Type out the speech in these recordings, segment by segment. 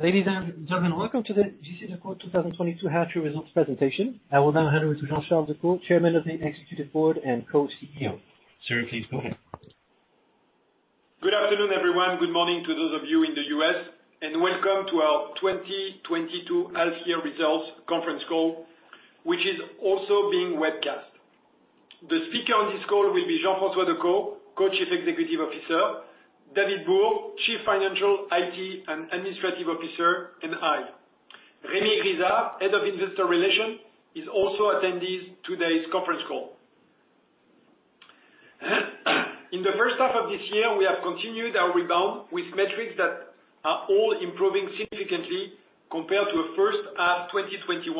Ladies and gentlemen, welcome to the JCDecaux 2022 half-year results presentation. I will now hand over to Jean-Charles Decaux, Chairman of the Executive Board and Co-CEO. Sir, please go ahead. Good afternoon, everyone. Good morning to those of you in the U.S., and welcome to our 2022 half-year results conference call, which is also being webcast. The speaker on this call will be Jean-François Decaux, Co-Chief Executive Officer, David Bourg, Chief Financial, IT, and Administrative Officer, and I. Rémi Grisard, Head of Investor Relations, is also attending today's conference call. In the first half of this year, we have continued our rebound with metrics that are all improving significantly compared to a first half 2021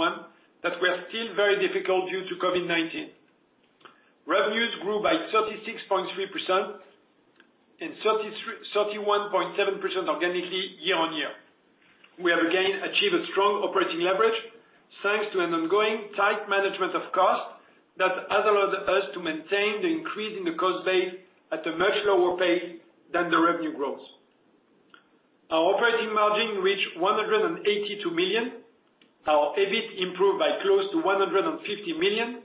that were still very difficult due to COVID-19. Revenues grew by 36.3% and 31.7% organically year-on-year. We have again achieved a strong operating leverage, thanks to an ongoing tight management of costs that has allowed us to maintain the increase in the cost base at a much lower pace than the revenue growth. Our operating margin reached 182 million. Our EBIT improved by close to 150 million,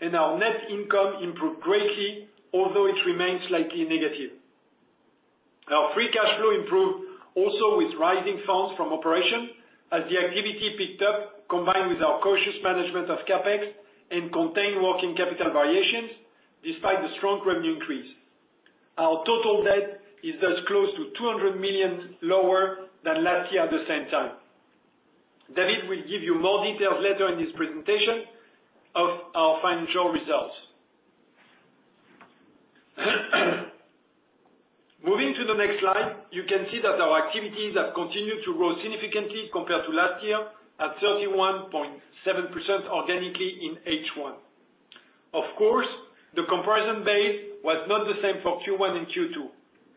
and our net income improved greatly, although it remains slightly negative. Our free cash flow improved also with rising funds from operation as the activity picked up, combined with our cautious management of CapEx and contained working capital variations despite the strong revenue increase. Our total debt is thus close to 200 million lower than last year at the same time. David Bourg will give you more details later in his presentation of our financial results. Moving to the next slide, you can see that our activities have continued to grow significantly compared to last year at 31.7% organically in H1. Of course, the comparison base was not the same for Q1 and Q2.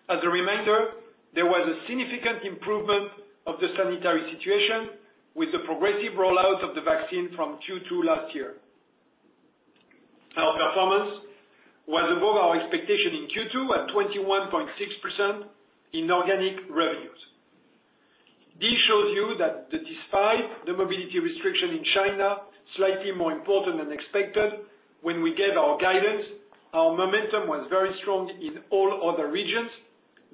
As a reminder, there was a significant improvement of the sanitary situation with the progressive rollout of the vaccine from Q2 last year. Our performance was above our expectation in Q2 at 21.6% in organic revenues. This shows you that despite the mobility restriction in China, slightly more important than expected when we gave our guidance, our momentum was very strong in all other regions,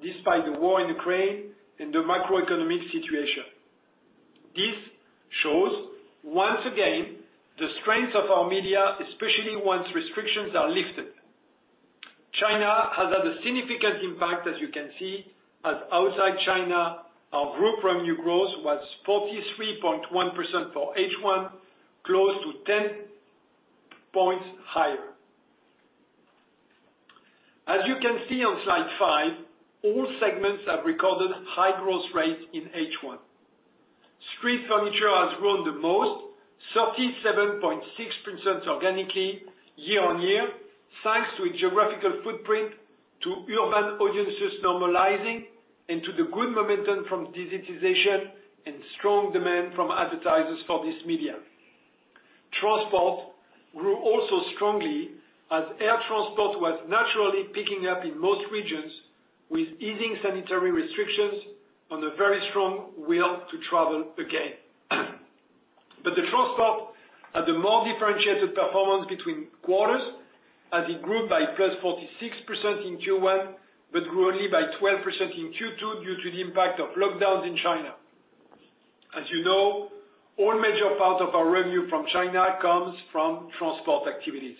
despite the war in Ukraine and the macroeconomic situation. This shows, once again, the strength of our media, especially once restrictions are lifted. China has had a significant impact, as you can see, as outside China, our group revenue growth was 43.1% for H1, close to 10 points higher. As you can see on slide five, all segments have recorded high growth rates in H1. Street Furniture has grown the most, 37.6% organically year-over-year, thanks to its geographical footprint, to urban audiences normalizing, and to the good momentum from digitization and strong demand from advertisers for this media. Transport grew also strongly as air transport was naturally picking up in most regions with easing sanitary restrictions and a very strong will to travel again. But the Transport had a more differentiated performance between quarters, as it grew by +46% in Q1, but grew only by 12% in Q2 due to the impact of lockdowns in China. As you know, all major part of our revenue from China comes from transport activities.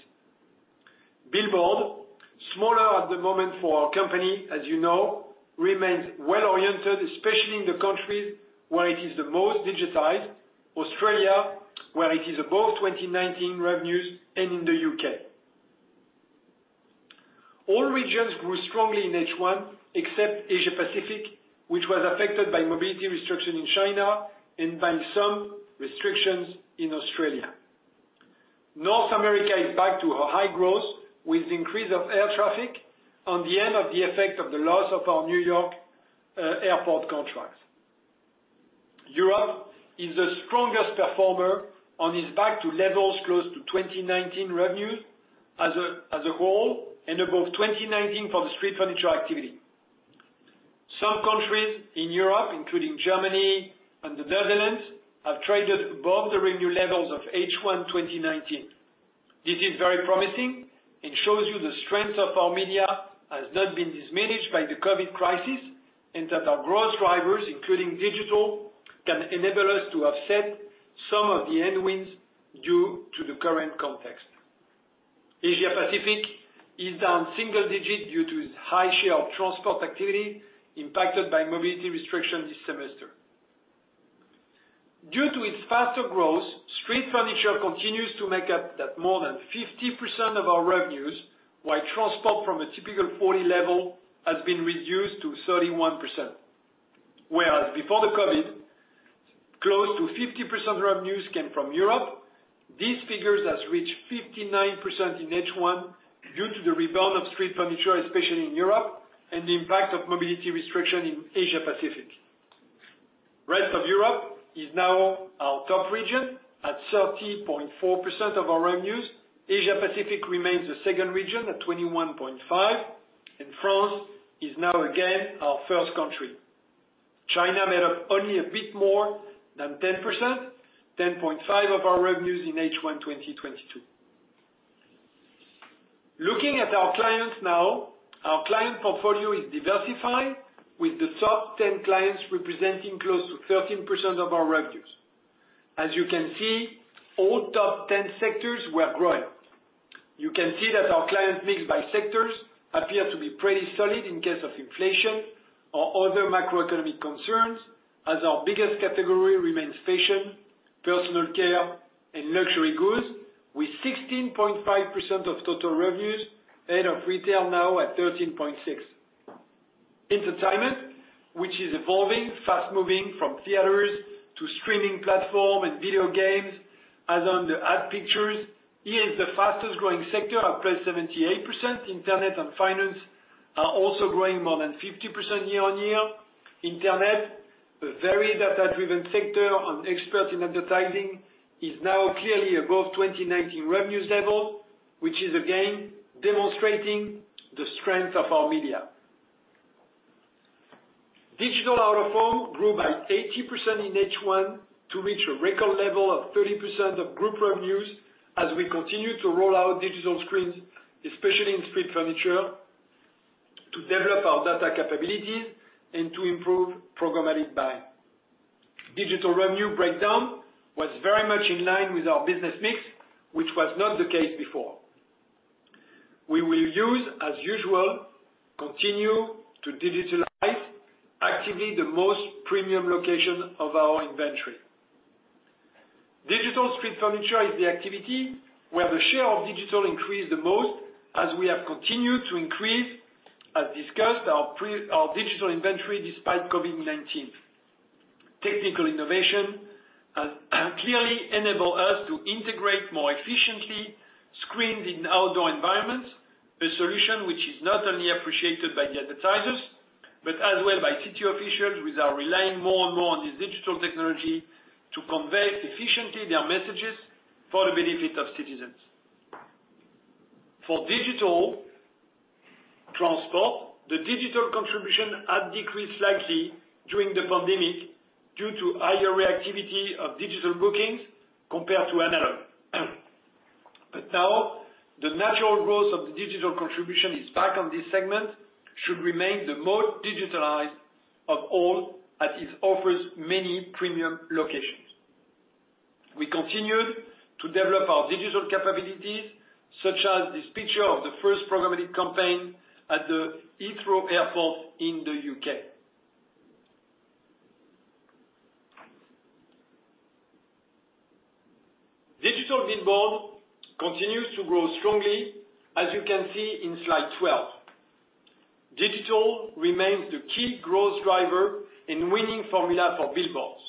Billboard, smaller at the moment for our company, as you know, remains well-oriented, especially in the countries where it is the most digitized, Australia, where it is above 2019 revenues, and in the U.K. All regions grew strongly in H1, except Asia-Pacific, which was affected by mobility restriction in China and by some restrictions in Australia. North America is back to a high growth with increase of air traffic on the end of the effect of the loss of our New York airport contracts. Europe is the strongest performer and is back to levels close to 2019 revenues as a whole and above 2019 for the Street Furniture activity. Some countries in Europe, including Germany and the Netherlands, have traded above the revenue levels of H1 2019. This is very promising and shows you the strength of our media has not been diminished by the COVID crisis and that our growth drivers, including digital, can enable us to offset some of the headwinds due to the current context. Asia-Pacific is down single digit due to its high share of transport activity impacted by mobility restrictions this semester. Due to its faster growth, Street Furniture continues to make up that more than 50% of our revenues, while Transport from a typical 40% level has been reduced to 31%. Whereas before the COVID, close to 50% revenues came from Europe. These figures has reached 59% in H1 due to the rebound of Street Furniture, especially in Europe, and the impact of mobility restriction in Asia-Pacific. Rest of Europe is now our top region at 30.4% of our revenues. Asia-Pacific remains the second region at 21.5%, and France is now again our first country. China made up only a bit more than 10%, 10.5% of our revenues in H1 2022. Looking at our clients now, our client portfolio is diversified, with the top 10 clients representing close to 13% of our revenues. As you can see, all top 10 sectors were growing. You can see that our clients mixed by sectors appear to be pretty solid in case of inflation or other macroeconomic concerns, as our biggest category remains fashion, personal care and luxury goods, with 16.5% of total revenues ahead of retail now at 13.6%. Entertainment, which is evolving fast moving from theaters to streaming platform and video games, as on the ad pictures, is the fastest growing sector at +78%. Internet and finance are also growing more than 50% year-over-year. Internet, a very data driven sector and expert in advertising, is now clearly above 2019 revenues level, which is again demonstrating the strength of our media. Digital Out Of Home grew by 80% in H1 to reach a record level of 30% of group revenues as we continue to roll out digital screens, especially in Street Furniture, to develop our data capabilities and to improve programmatic buying. Digital revenue breakdown was very much in line with our business mix, which was not the case before. We will, as usual, continue to digitalize actively the most premium location of our inventory. Digital Street Furniture is the activity where the share of digital increased the most as we have continued to increase. As discussed, our digital inventory despite COVID-19. Technical innovation has clearly enabled us to integrate more efficiently screens in outdoor environments, a solution which is not only appreciated by the advertisers, but as well by city officials which are relying more and more on this digital technology to convey efficiently their messages for the benefit of citizens. For digital transport, the digital contribution had decreased slightly during the pandemic due to higher reactivity of digital bookings compared to analog. Now the natural growth of the digital contribution is back on this segment, should remain the most digitalized of all, as it offers many premium locations. We continued to develop our digital capabilities, such as this picture of the first programmatic campaign at the Heathrow Airport in the U.K. Digital billboard continues to grow strongly, as you can see in slide 12. Digital remains the key growth driver in winning formula for billboards.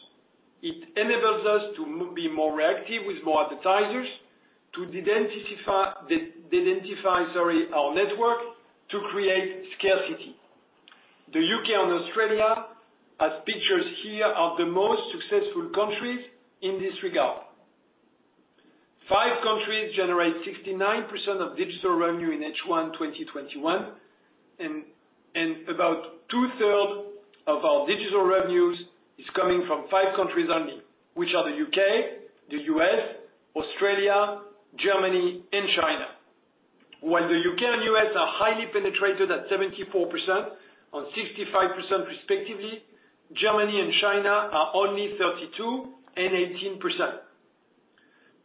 It enables us to be more reactive with more advertisers, to identify, sorry, our network to create scarcity. The U.K. and Australia, as pictured here, are the most successful countries in this regard. Five countries generate 69% of digital revenue in H1 2021. About 2/3 of our digital revenues is coming from five countries only, which are the U.K., the U.S., Australia, Germany and China. While the U.K. and U.S. are highly penetrated at 74% and 65% respectively, Germany and China are only 32% and 18%.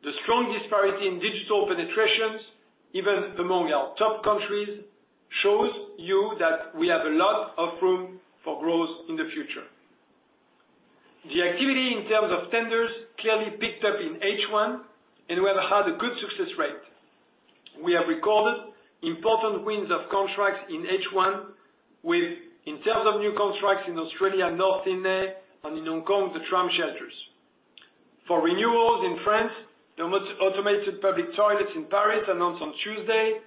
The strong disparity in digital penetrations, even among our top countries, shows you that we have a lot of room for growth in the future. The activity in terms of tenders clearly picked up in H1, and we have had a good success rate. We have recorded important wins of contracts in H1 with in terms of new contracts in Australia, [North America] and in Hong Kong, the tram shelters. For renewals in France, the most automated public toilets in Paris announced on Tuesday,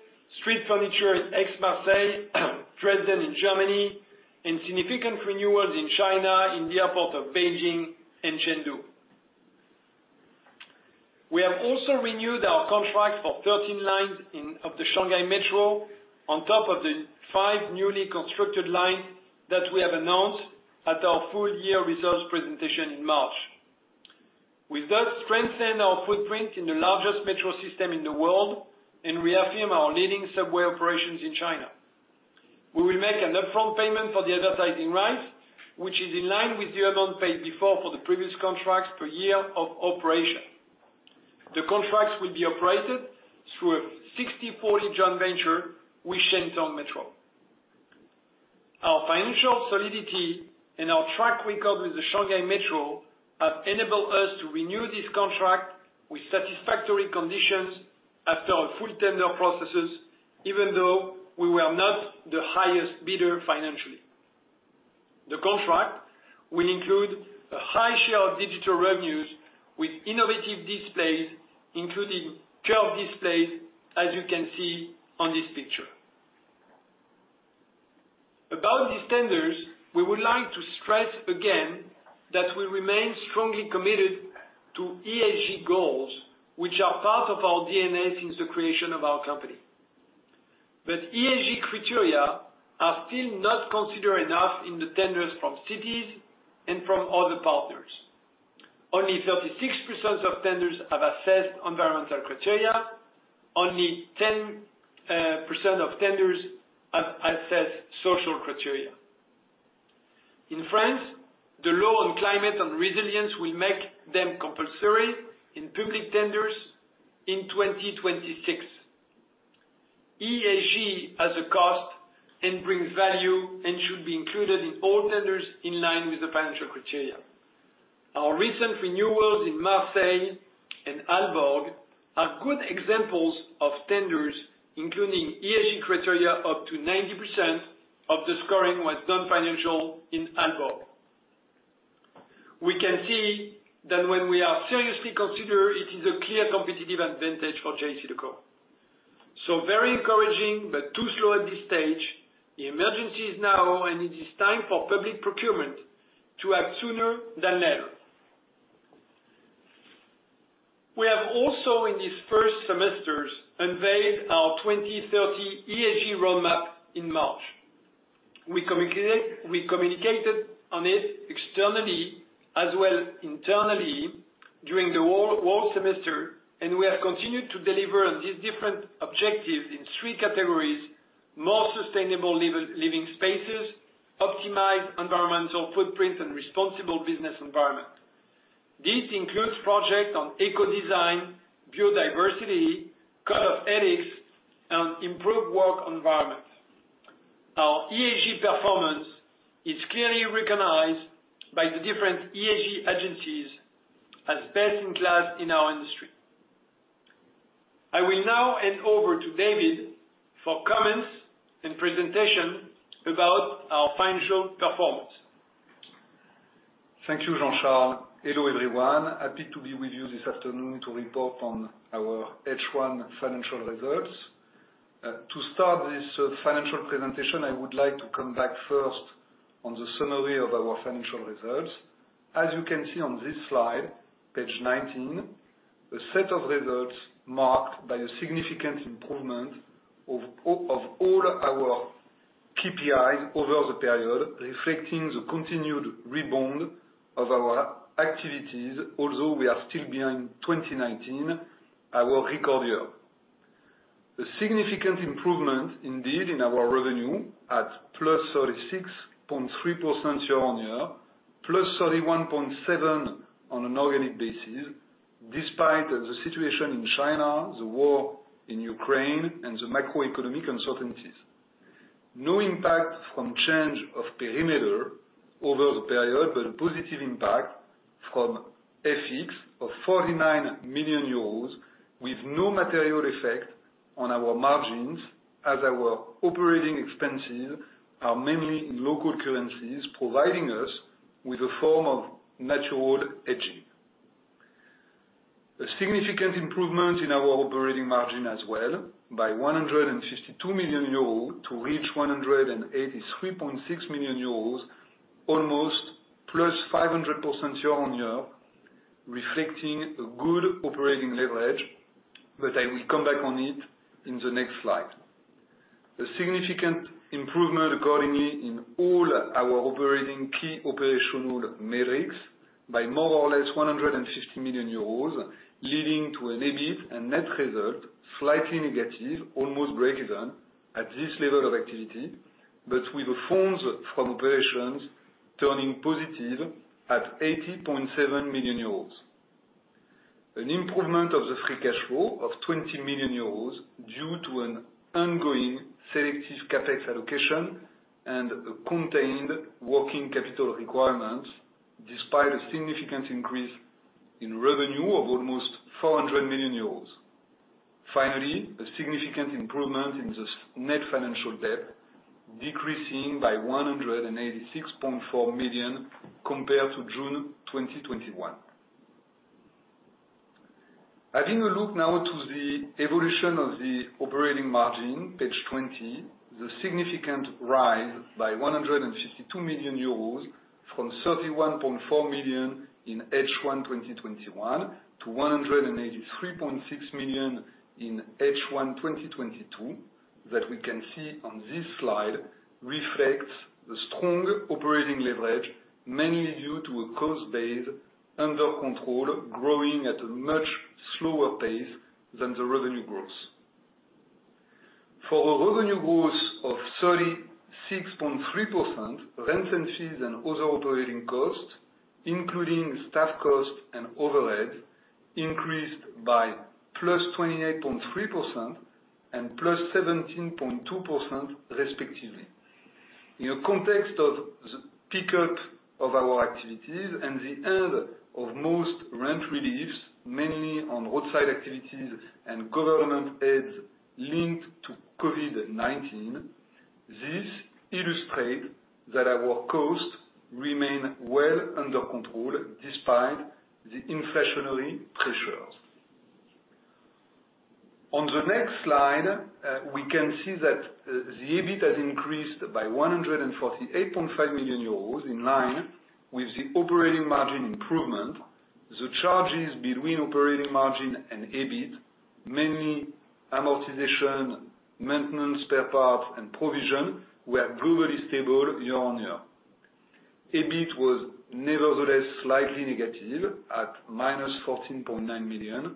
Street Furniture in Aix-Marseille, Dresden in Germany, and significant renewals in China in the airports of Beijing and Chengdu. We have also renewed our contract for 13 lines of the Shanghai Metro on top of the five newly constructed lines that we have announced at our full year results presentation in March. We thus strengthen our footprint in the largest metro system in the world and reaffirm our leading subway operations in China. We will make an upfront payment for the advertising rights, which is in line with the amount paid before for the previous contracts per year of operation. The contracts will be operated through a 60/40 joint venture with Shentong Metro. Our financial solidity and our track record with the Shanghai Metro have enabled us to renew this contract with satisfactory conditions after our full tender processes, even though we were not the highest bidder financially. The contract will include a high share of digital revenues with innovative displays, including curved displays, as you can see on this picture. About these tenders, we would like to stress again that we remain strongly committed to ESG goals, which are part of our DNA since the creation of our company. ESG criteria are still not considered enough in the tenders from cities and from other partners. Only 36% of tenders have assessed environmental criteria. Only 10% of tenders have assessed social criteria. In France, the law on climate and resilience will make them compulsory in public tenders in 2026. ESG has a cost and brings value and should be included in all tenders in line with the financial criteria. Our recent renewals in Marseille and Aalborg are good examples of tenders including ESG criteria. Up to 90% of the scoring was non-financial in Aalborg. We can see that when we are seriously considered, it is a clear competitive advantage for JCDecaux. Very encouraging but too slow at this stage. The emergency is now, and it is time for public procurement to act sooner than later. We have also in these first semesters unveiled our 2030 ESG roadmap in March. We communicate, we communicated on it externally as well internally during the whole semester, and we have continued to deliver on these different objectives in three categories, more sustainable livable living spaces, optimized environmental footprint, and responsible business environment. This includes projects on eco-design, biodiversity, code of ethics, and improved work environment. Our ESG performance is clearly recognized by the different ESG agencies as best in class in our industry. I will now hand over to David for comments and presentation about our financial performance. Thank you, Jean-Charles. Hello, everyone. Happy to be with you this afternoon to report on our H1 financial results. To start this financial presentation, I would like to come back first on the summary of our financial results. As you can see on this slide, page 19, a set of results marked by a significant improvement of all our KPIs over the period, reflecting the continued rebound of our activities, although we are still behind 2019, our record year. A significant improvement indeed in our revenue at +36.3% year-on-year, +31.7 on an organic basis, despite the situation in China, the war in Ukraine, and the macroeconomic uncertainties. No impact from change of perimeter over the period, but positive impact from FX of 49 million euros with no material effect on our margins as our operating expenses are mainly in local currencies, providing us with a form of natural hedging. A significant improvement in our operating margin as well by 152 million euros to reach 183.6 million euros, almost +500% year-on-year, reflecting a good operating leverage, but I will come back on it in the next slide. A significant improvement accordingly in all our operating key operational metrics by more or less 150 million euros, leading to an EBIT and net result slightly negative, almost breakeven at this level of activity, but with the funds from operations turning positive at 80.7 million euros. An improvement of the free cash flow of 20 million euros due to an ongoing selective CapEx allocation and a contained working capital requirement, despite a significant increase in revenue of almost 400 million euros. Finally, a significant improvement in this net financial debt, decreasing by 186.4 million compared to June 2021. Having a look now to the evolution of the operating margin, page 20, the significant rise by 152 million euros from 31.4 million in H1 2021 to 183.6 million in H1 2022 that we can see on this slide reflects the strong operating leverage, mainly due to a cost base under control, growing at a much slower pace than the revenue growth. For a revenue growth of 36.3%, rents and fees and other operating costs, including staff costs and overhead, increased by +28.3% and +17.2% respectively. In the context of the pickup of our activities and the end of most rent reliefs, mainly on roadside activities and government aids linked to COVID-19, this illustrates that our costs remain well under control despite the inflationary pressures. On the next slide, we can see that, the EBIT has increased by 148.5 million euros in line with the operating margin improvement. The charges between operating margin and EBIT, mainly amortization, maintenance, spare parts, and provision, were globally stable year-on-year. EBIT was nevertheless slightly negative at -14.9 million,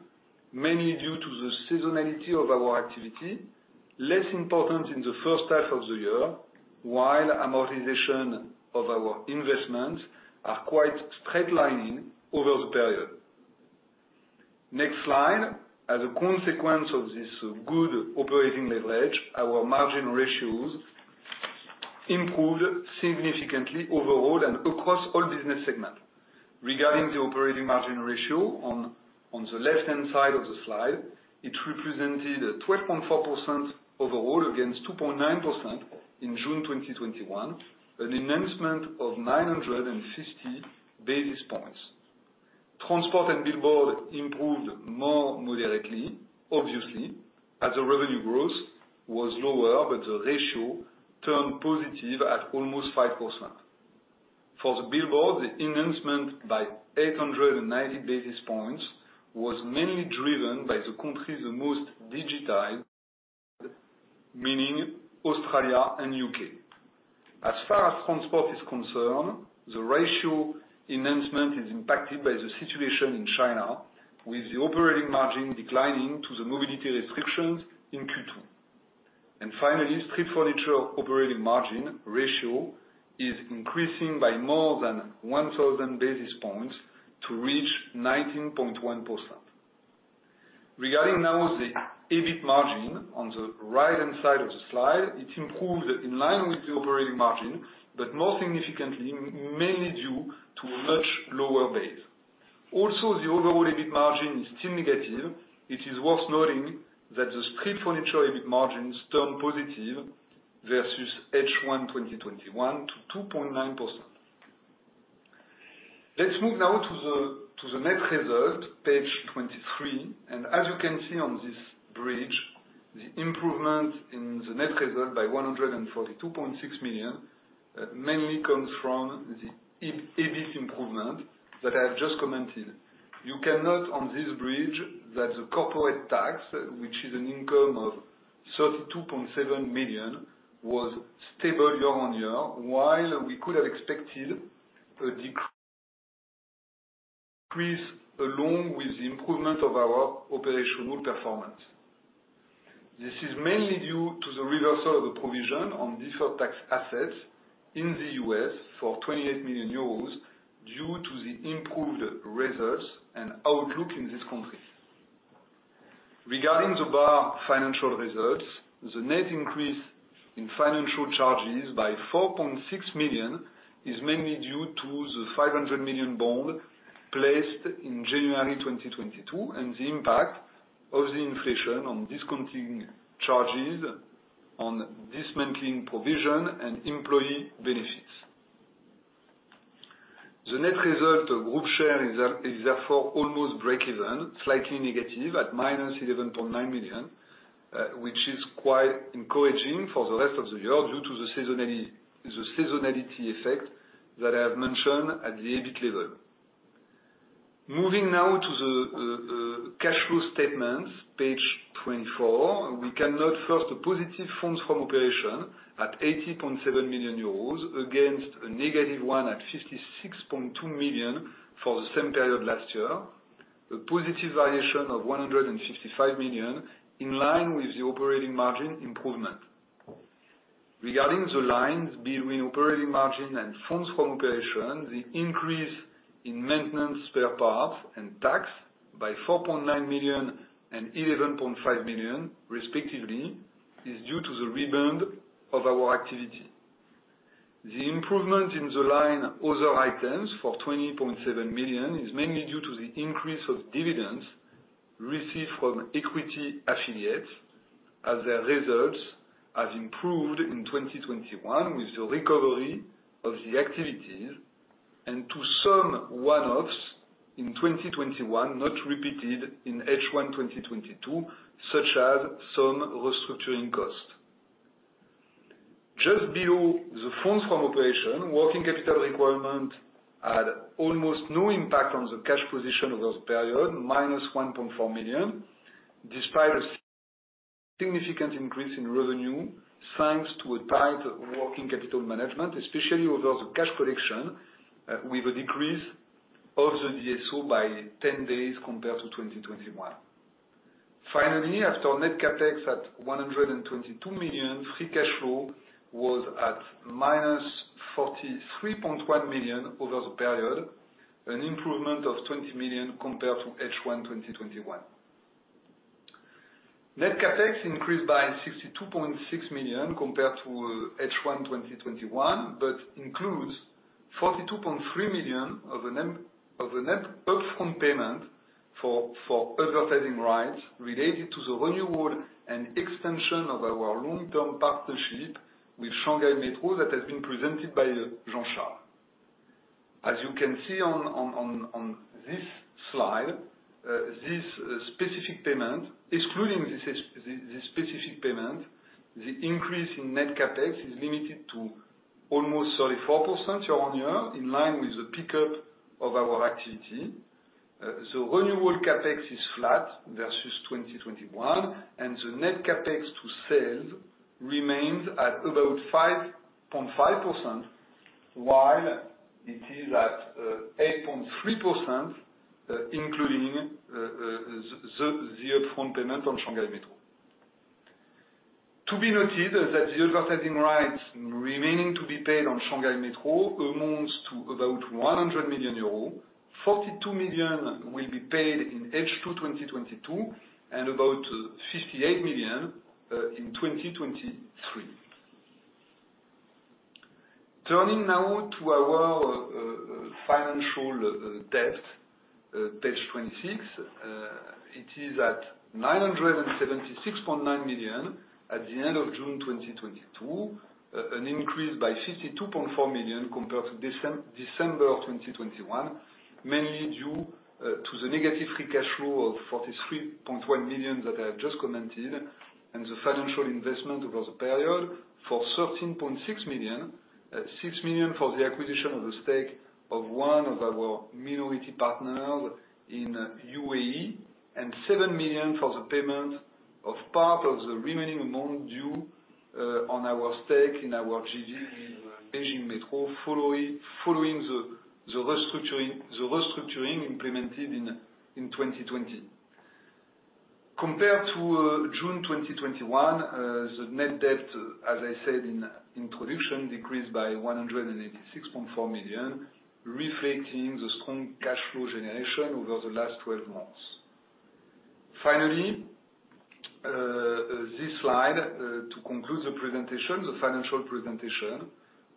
mainly due to the seasonality of our activity, less important in the first half of the year, while amortization of our investments are quite straight lining over the period. Next slide. As a consequence of this good operating leverage, our margin ratios improved significantly overall and across all business segments. Regarding the operating margin ratio, on the left-hand side of the slide, it represented a 12.4% overall against 2.9% in June 2021, an enhancement of 950 basis points. Transport and Billboard improved more moderately, obviously, as the revenue growth was lower, but the ratio turned positive at almost 5%. For the Billboard, the enhancement by 890 basis points was mainly driven by the countries the most digitized, meaning Australia and U.K. As far as Transport is concerned, the ratio enhancement is impacted by the situation in China, with the operating margin declining due to the mobility restrictions in Q2. Finally, Street Furniture operating margin ratio is increasing by more than 1,000 basis points to reach 19.1%. Regarding now the EBIT margin on the right-hand side of the slide, it improved in line with the operating margin, but more significantly, mainly due to a much lower base. Also, the overall EBIT margin is still negative. It is worth noting that the Street Furniture EBIT margins turn positive versus H1 2021 to 2.9%. Let's move now to the net result, page 23. As you can see on this bridge, the improvement in the net result by 142.6 million mainly comes from the EBIT improvement that I have just commented. You can note on this bridge that the corporate tax, which is an income of 32.7 million, was stable year-on-year, while we could have expected a decrease along with the improvement of our operational performance. This is mainly due to the reversal of the provision on deferred tax assets in the U.S. for 28 million euros due to the improved results and outlook in this country. Regarding the other financial results, the net increase in financial charges by 4.6 million is mainly due to the 500 million bond placed in January 2022 and the impact of the inflation on discounting charges on dismantling provision and employee benefits. The net result of group share is therefore almost breakeven, slightly negative at -11.9 million, which is quite encouraging for the rest of the year due to the seasonality effect that I have mentioned at the EBIT level. Moving now to the cash flow statement, page 24. We can note first a positive funds from operation at 80.7 million euros against a negative one at 56.2 million for the same period last year. A positive variation of 155 million in line with the operating margin improvement. Regarding the lines between operating margin and funds from operation, the increase in maintenance, spare parts, and tax by 4.9 million and 11.5 million, respectively, is due to the rebound of our activity. The improvement in the line other items for 20.7 million is mainly due to the increase of dividends received from equity affiliates as their results have improved in 2021 with the recovery of the activities and to some one-offs in 2021 not repeated in H1 2022, such as some restructuring costs. Just below the funds from operation, working capital requirement had almost no impact on the cash position over the period, -1.4 million, despite a significant increase in revenue, thanks to a tight working capital management, especially over the cash collection, with a decrease of the DSO by 10 days compared to 2021. Finally, after our net CapEx at 122 million, free cash flow was at -43.1 million over the period, an improvement of 20 million compared to H1 2021. Net CapEx increased by 62.6 million compared to H1 2021, but includes 42.3 million of the net upfront payment for advertising rights related to the renewal and extension of our long-term partnership with Shanghai Metro that has been presented by Jean-Charles. As you can see on this slide, this specific payment, excluding this specific payment, the increase in net CapEx is limited to almost 34% year-on-year, in line with the pickup of our activity. Renewable CapEx is flat versus 2021, and the net CapEx to sales remains at about 5.5%, while it is at 8.3%, including the upfront payment on Shanghai Metro. To be noted that the advertising rights remaining to be paid on Shanghai Metro amounts to about 100 million euros. 42 million will be paid in H2 2022, and about 58 million in 2023. Turning now to our financial debt, page 26. It is at 976.9 million at the end of June 2022, an increase by 52.4 million compared to December 2021, mainly due to the negative free cash flow of 43.1 million that I have just commented, and the financial investment over the period for 13.6 million. 6 million for the acquisition of the stake of one of our minority partners in U.A.E., and 7 million for the payment of part of the remaining amount due on our stake in our JV in Beijing Metro following the restructuring implemented in 2020. Compared to June 2021, the net debt, as I said in introduction, decreased by 186.4 million, reflecting the strong cash flow generation over the last twelve months. Finally, this slide to conclude the presentation, the financial presentation,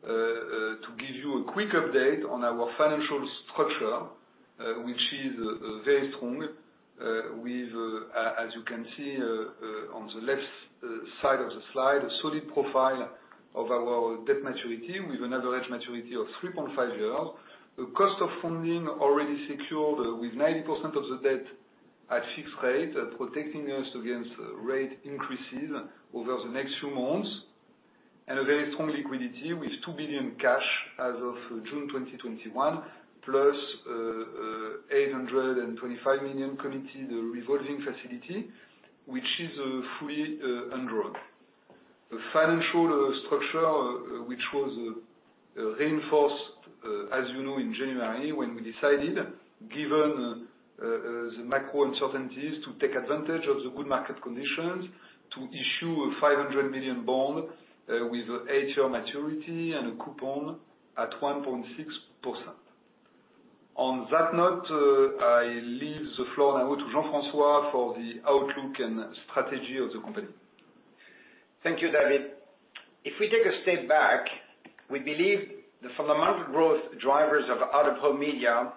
to give you a quick update on our financial structure, which is very strong, with, as you can see, on the left side of the slide, a solid profile of our debt maturity with an average maturity of 3.5 years. The cost of funding already secured with 90% of the debt at fixed rate, protecting us against rate increases over the next few months, and a very strong liquidity with 2 billion cash as of June 2021, plus 825 million committed revolving facility, which is fully undrawn. The financial structure, which was reinforced, as you know, in January, when we decided, given the macro uncertainties, to take advantage of the good market conditions to issue a 500 million bond with eight-year maturity and a coupon at 1.6%. On that note, I leave the floor now to Jean-François for the outlook and strategy of the company. Thank you, David. If we take a step back, we believe the fundamental growth drivers of Out-of-Home media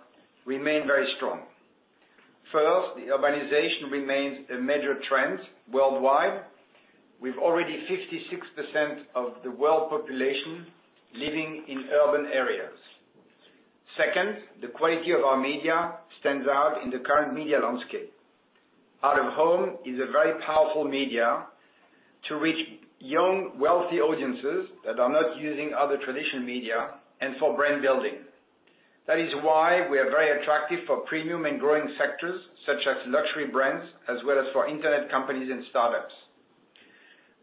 remain very strong. First, the urbanization remains a major trend worldwide, with already 56% of the world population living in urban areas. Second, the quality of our media stands out in the current media landscape. Out-of-Home is a very powerful media to reach young, wealthy audiences that are not using other traditional media and for brand building. That is why we are very attractive for premium and growing sectors such as luxury brands as well as for internet companies and startups.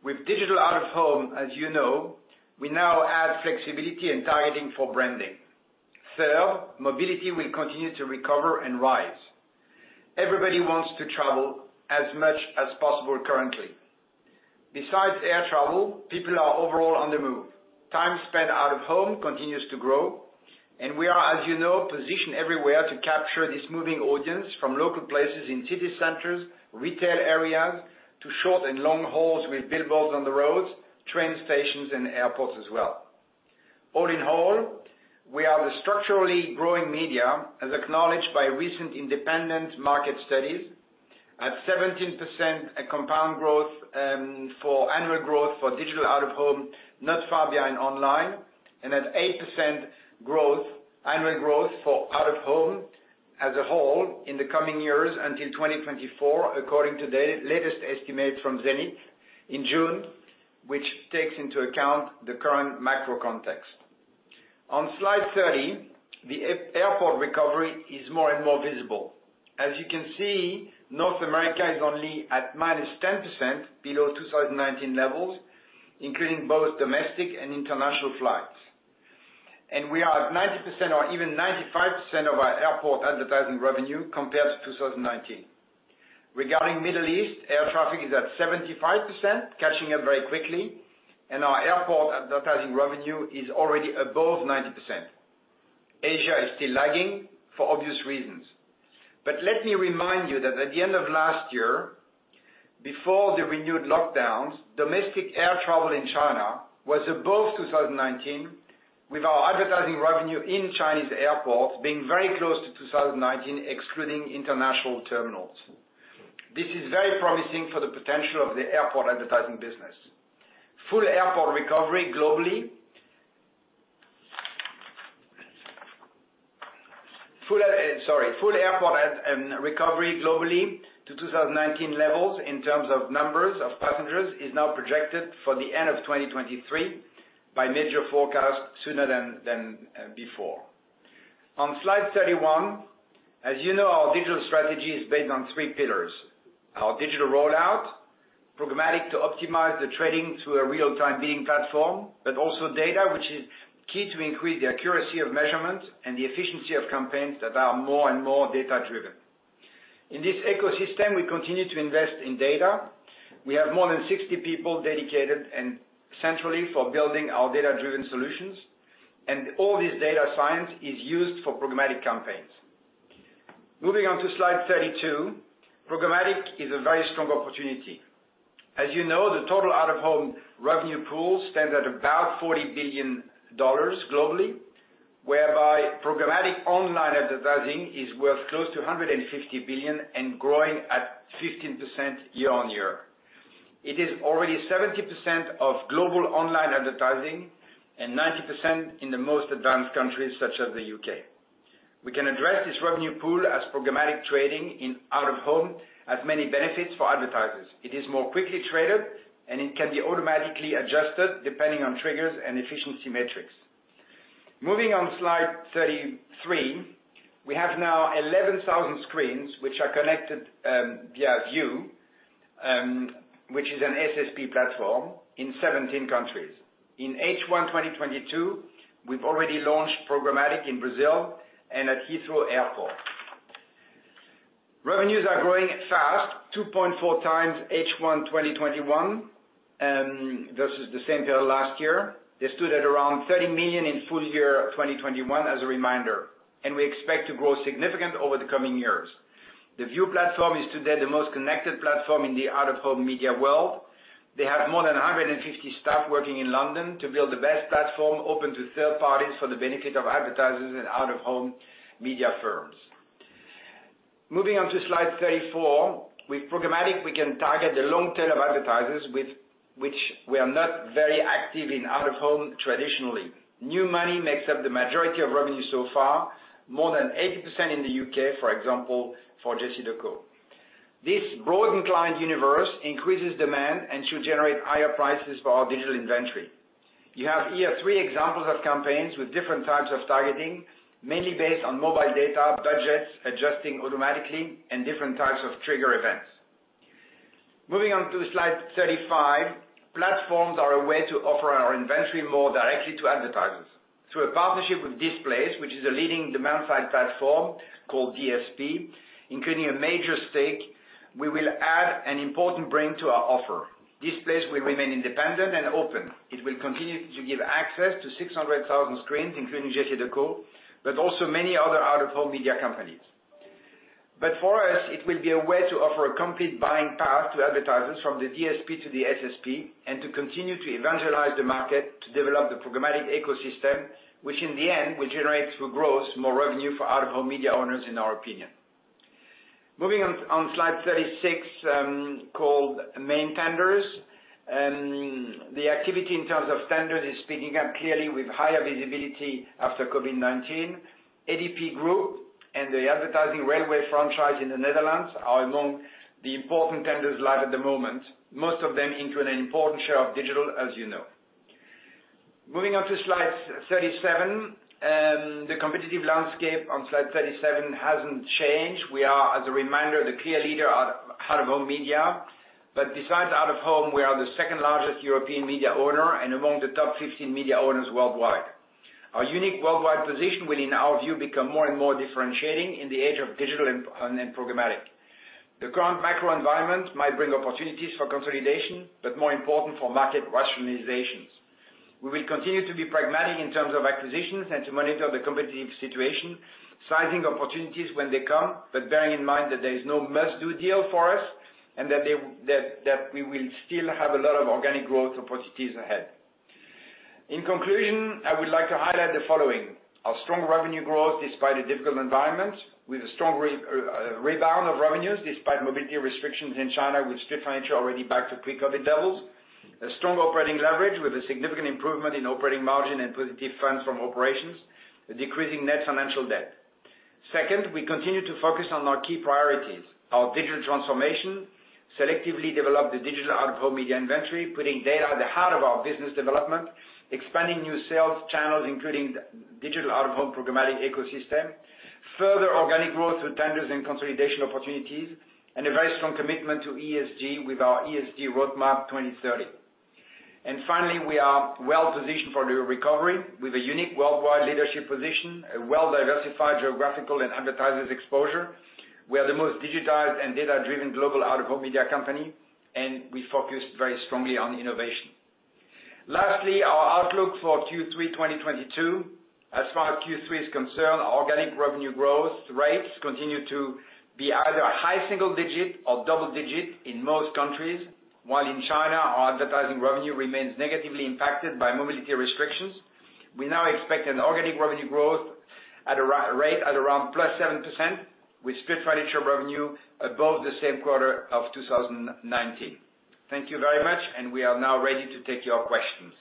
With Digital Out Of Home, as you know, we now add flexibility and targeting for branding. Third, mobility will continue to recover and rise. Everybody wants to travel as much as possible currently. Besides air travel, people are overall on the move. Time spent out of home continues to grow, and we are, as you know, positioned everywhere to capture this moving audience from local places in city centers, retail areas, to short and long hauls with billboards on the roads, train stations and airports as well. All in all, we are the structurally growing media, as acknowledged by recent independent market studies, at 17% compound growth for annual growth for Digital Out Of Home, not far behind online, and at 8% growth, annual growth for Out-of-Home as a whole in the coming years until 2024, according to the latest estimate from Zenith in June, which takes into account the current macro context. On slide 30, the airport recovery is more and more visible. As you can see, North America is only at -10% below 2019 levels, including both domestic and international flights. We are at 90% or even 95% of our airport advertising revenue compared to 2019. Regarding Middle East, air traffic is at 75%, catching up very quickly, and our airport advertising revenue is already above 90%. Asia is still lagging for obvious reasons. Let me remind you that at the end of last year, before the renewed lockdowns, domestic air travel in China was above 2019, with our advertising revenue in Chinese airports being very close to 2019, excluding international terminals. This is very promising for the potential of the airport advertising business. Full airport recovery globally to 2019 levels in terms of numbers of passengers is now projected for the end of 2023 by major forecasts sooner than before. On slide 31, as you know, our digital strategy is based on three pillars. Our digital rollout, programmatic to optimize the trading through a real-time bidding platform, but also data which is key to increase the accuracy of measurement and the efficiency of campaigns that are more and more data-driven. In this ecosystem, we continue to invest in data. We have more than 60 people dedicated and centrally for building our data-driven solutions, and all this data science is used for programmatic campaigns. Moving on to slide 32. Programmatic is a very strong opportunity. As you know, the total Out-of-Home revenue pool stands at about $40 billion globally, whereby programmatic online advertising is worth close to $150 billion and growing at 15% year-on-year. It is already 70% of global online advertising and 90% in the most advanced countries such as the U.K. We can access this revenue pool as programmatic trading in Out-of-Home has many benefits for advertisers. It is more quickly traded, and it can be automatically adjusted depending on triggers and efficiency metrics. Moving on to slide 33. We have now 11,000 screens which are connected via VIOOH, which is an SSP platform in 17 countries. In H1 2022, we've already launched programmatic in Brazil and at Heathrow Airport. Revenues are growing fast, 2.4x H1 2021 versus the same period last year. They stood at around 30 million in full year 2021 as a reminder, and we expect to grow significantly over the coming years. The VIOOH platform is today the most connected platform in the out-of-home media world. They have more than 150 staff working in London to build the best platform open to third parties for the benefit of advertisers and out-of-home media firms. Moving on to slide 34. With programmatic, we can target the long tail of advertisers with which we are not very active in out-of-home traditionally. New money makes up the majority of revenue so far, more than 80% in the U.K., for example, for JCDecaux. This broadened client universe increases demand and should generate higher prices for our digital inventory. You have here three examples of campaigns with different types of targeting, mainly based on mobile data, budgets, adjusting automatically and different types of trigger events. Moving on to slide 35. Platforms are a way to offer our inventory more directly to advertisers. Through a partnership with Displayce, which is a leading demand side platform called DSP, including a major stake, we will add an important brain to our offer. Displayce will remain independent and open. It will continue to give access to 600,000 screens, including JCDecaux, but also many other out-of-home media companies. For us, it will be a way to offer a complete buying path to advertisers from the DSP to the SSP, and to continue to evangelize the market to develop the programmatic ecosystem, which in the end will generate through growth more revenue for out-of-home media owners, in our opinion. Moving on slide 36, called main tenders. The activity in terms of tenders is speeding up clearly with higher visibility after COVID-19. ADP Group and the advertising railway franchise in the Netherlands are among the important tenders live at the moment, most of them into an important share of digital, as you know. Moving on to slide 37. The competitive landscape on slide 37 hasn't changed. We are, as a reminder, the clear leader of out-of-home media. Besides out-of-home, we are the second-largest European media owner and among the top 15 media owners worldwide. Our unique worldwide position will, in our VIOOH, become more and more differentiating in the age of digital and programmatic. The current macro environment might bring opportunities for consolidation, but more important for market rationalizations. We will continue to be pragmatic in terms of acquisitions and to monitor the competitive situation, sizing opportunities when they come, but bearing in mind that there is no must do deal for us and that we will still have a lot of organic growth opportunities ahead. In conclusion, I would like to highlight the following. Our strong revenue growth despite a difficult environment with a strong rebound of revenues despite mobility restrictions in China with Street Furniture already back to pre-COVID levels. A strong operating leverage with a significant improvement in operating margin and positive funds from operations, a decreasing net financial debt. Second, we continue to focus on our key priorities. Our digital transformation selectively develop the Digital Out Of Home media inventory, putting data at the heart of our business development, expanding new sales channels, including Digital Out Of Home programmatic ecosystem. Further organic growth through tenders and consolidation opportunities, and a very strong commitment to ESG with our ESG roadmap 2030. Finally, we are well-positioned for the recovery with a unique worldwide leadership position, a well-diversified geographical and advertisers exposure. We are the most digitized and data-driven global out-of-home media company, and we focus very strongly on innovation. Lastly, our outlook for Q3 2022. As far as Q3 is concerned, organic revenue growth rates continue to be either high single digit or double digit in most countries. While in China, our advertising revenue remains negatively impacted by mobility restrictions. We now expect an organic revenue growth. At a rate of around +7% with EBIT financial revenue above the same quarter of 2019. Thank you very much, and we are now ready to take your questions.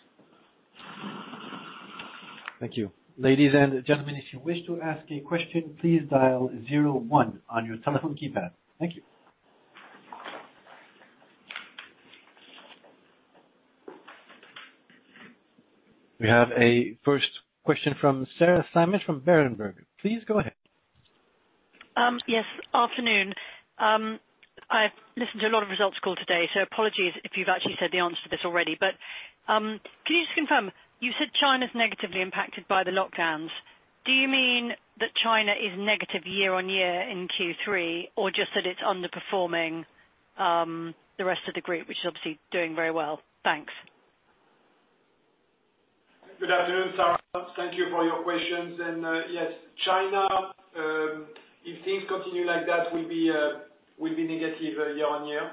Thank you. Ladies and gentlemen, if you wish to ask a question, please dial zero one on your telephone keypad. Thank you. We have a first question from Sarah Simon from Berenberg. Please go ahead. Yes. Afternoon. I've listened to a lot of results calls today, so apologies if you've actually said the answer to this already. Can you just confirm, you said China's negatively impacted by the lockdowns. Do you mean that China is negative year-on-year in Q3, or just that it's underperforming, the rest of the group, which is obviously doing very well? Thanks. Good afternoon, Sarah. Thank you for your questions. Yes, China, if things continue like that, will be negative year-on-year.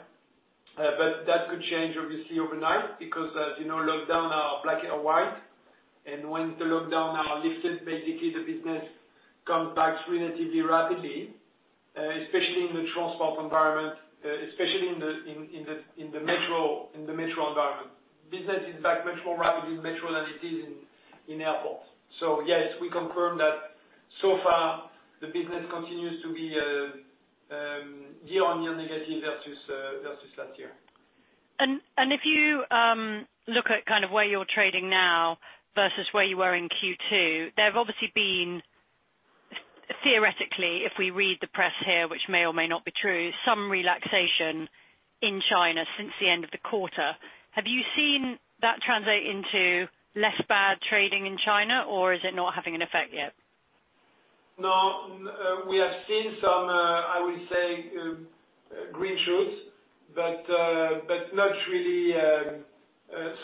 That could change obviously overnight because as you know, lockdowns are black and white. Once the lockdowns are lifted, basically the business comes back relatively rapidly, especially in the transport environment, especially in the metro environment. Business is back much more rapidly in metro than it is in airports. Yes, we confirm that so far the business continues to be year-on-year negative versus last year. If you look at kind of where you're trading now versus where you were in Q2, there have obviously been, theoretically, if we read the press here, which may or may not be true, some relaxation in China since the end of the quarter. Have you seen that translate into less bad trading in China or is it not having an effect yet? No. We have seen some, I would say, green shoots, but not really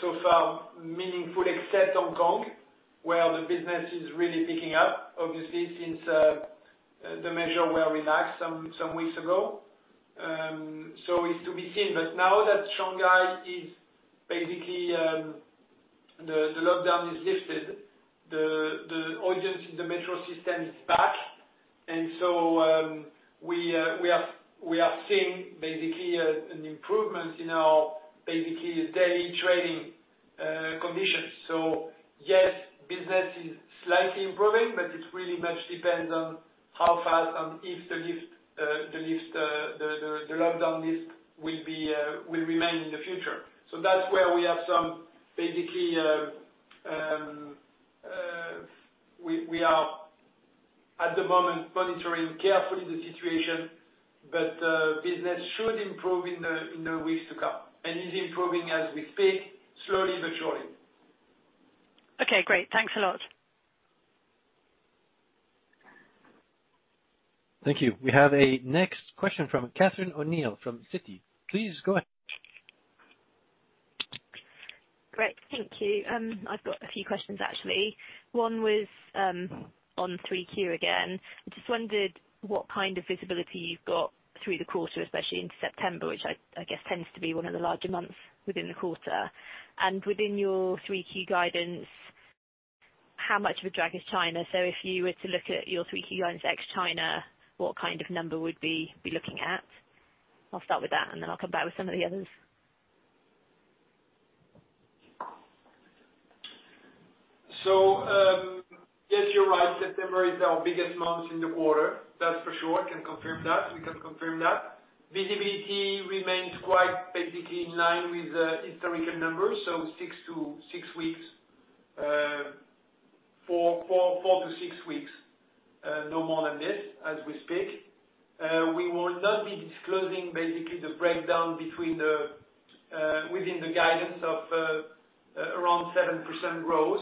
so far meaningful except Hong Kong, where the business is really picking up obviously since the measures were relaxed some weeks ago. It's to be seen. But now that Shanghai is basically the lockdown is lifted, the audience in the metro system is back. We are seeing basically an improvement in our basically daily trading conditions. Yes, business is slightly improving, but it really much depends on how fast and if the lockdown lift will remain in the future. So that's where we have some basically we are at the moment monitoring carefully the situation, but business should improve in the weeks to come and is improving as we speak, slowly but surely. Okay, great. Thanks a lot. Thank you. We have a next question from Catherine O'Neill from Citi. Please go ahead. Great. Thank you. I've got a few questions actually. One was on 3Q again. I just wondered what kind of visibility you've got through the quarter, especially into September, which I guess tends to be one of the larger months within the quarter. Within your 3Q guidance, how much of a drag is China? So if you were to look at your 3Q guidance ex- China, what kind of number would we be looking at? I'll start with that and then I'll come back with some of the others. Yes, you're right, September is our biggest month in the quarter, that's for sure, can confirm that. We can confirm that. Visibility remains quite basically in line with the historical numbers, so four to six weeks, no more than this as we speak. We will not be disclosing basically the breakdown within the guidance of around 7% growth,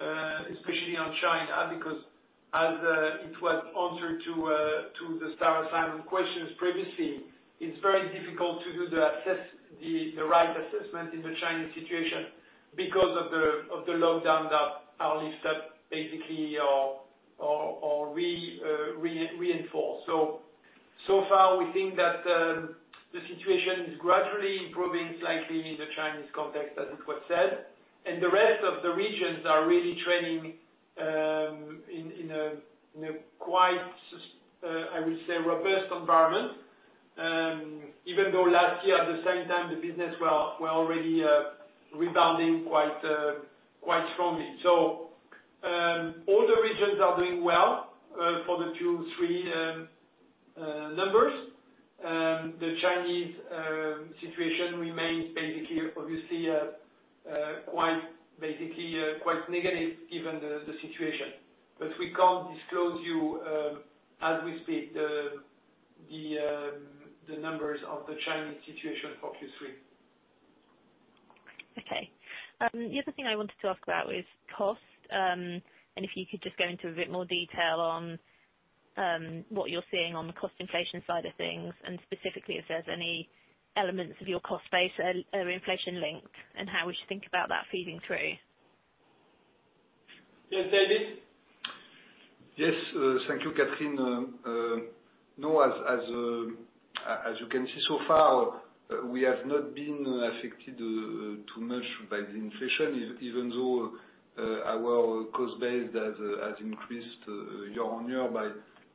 especially on China because as it was answered to the Sarah Simon questions previously, it's very difficult to do the right assessment in the Chinese situation because of the lockdown that are lifted basically or re-reinforced. So far we think that the situation is gradually improving slightly in the Chinese context as it was said, and the rest of the regions are really trending, I would say, in a robust environment. Even though last year at the same time the business were already rebounding quite strongly. All the regions are doing well for the Q3 numbers. The Chinese situation remains basically obviously quite negative given the situation. We can't disclose to you as we speak the numbers of the Chinese situation for Q3. Okay. The other thing I wanted to ask about is cost. If you could just go into a bit more detail on what you're seeing on the cost inflation side of things, and specifically if there's any elements of your cost base are inflation linked and how we should think about that feeding through. Yes, David? Yes. Thank you, Catherine. No, as you can see so far, we have not been affected too much by the inflation, even though our cost base has increased year-on-year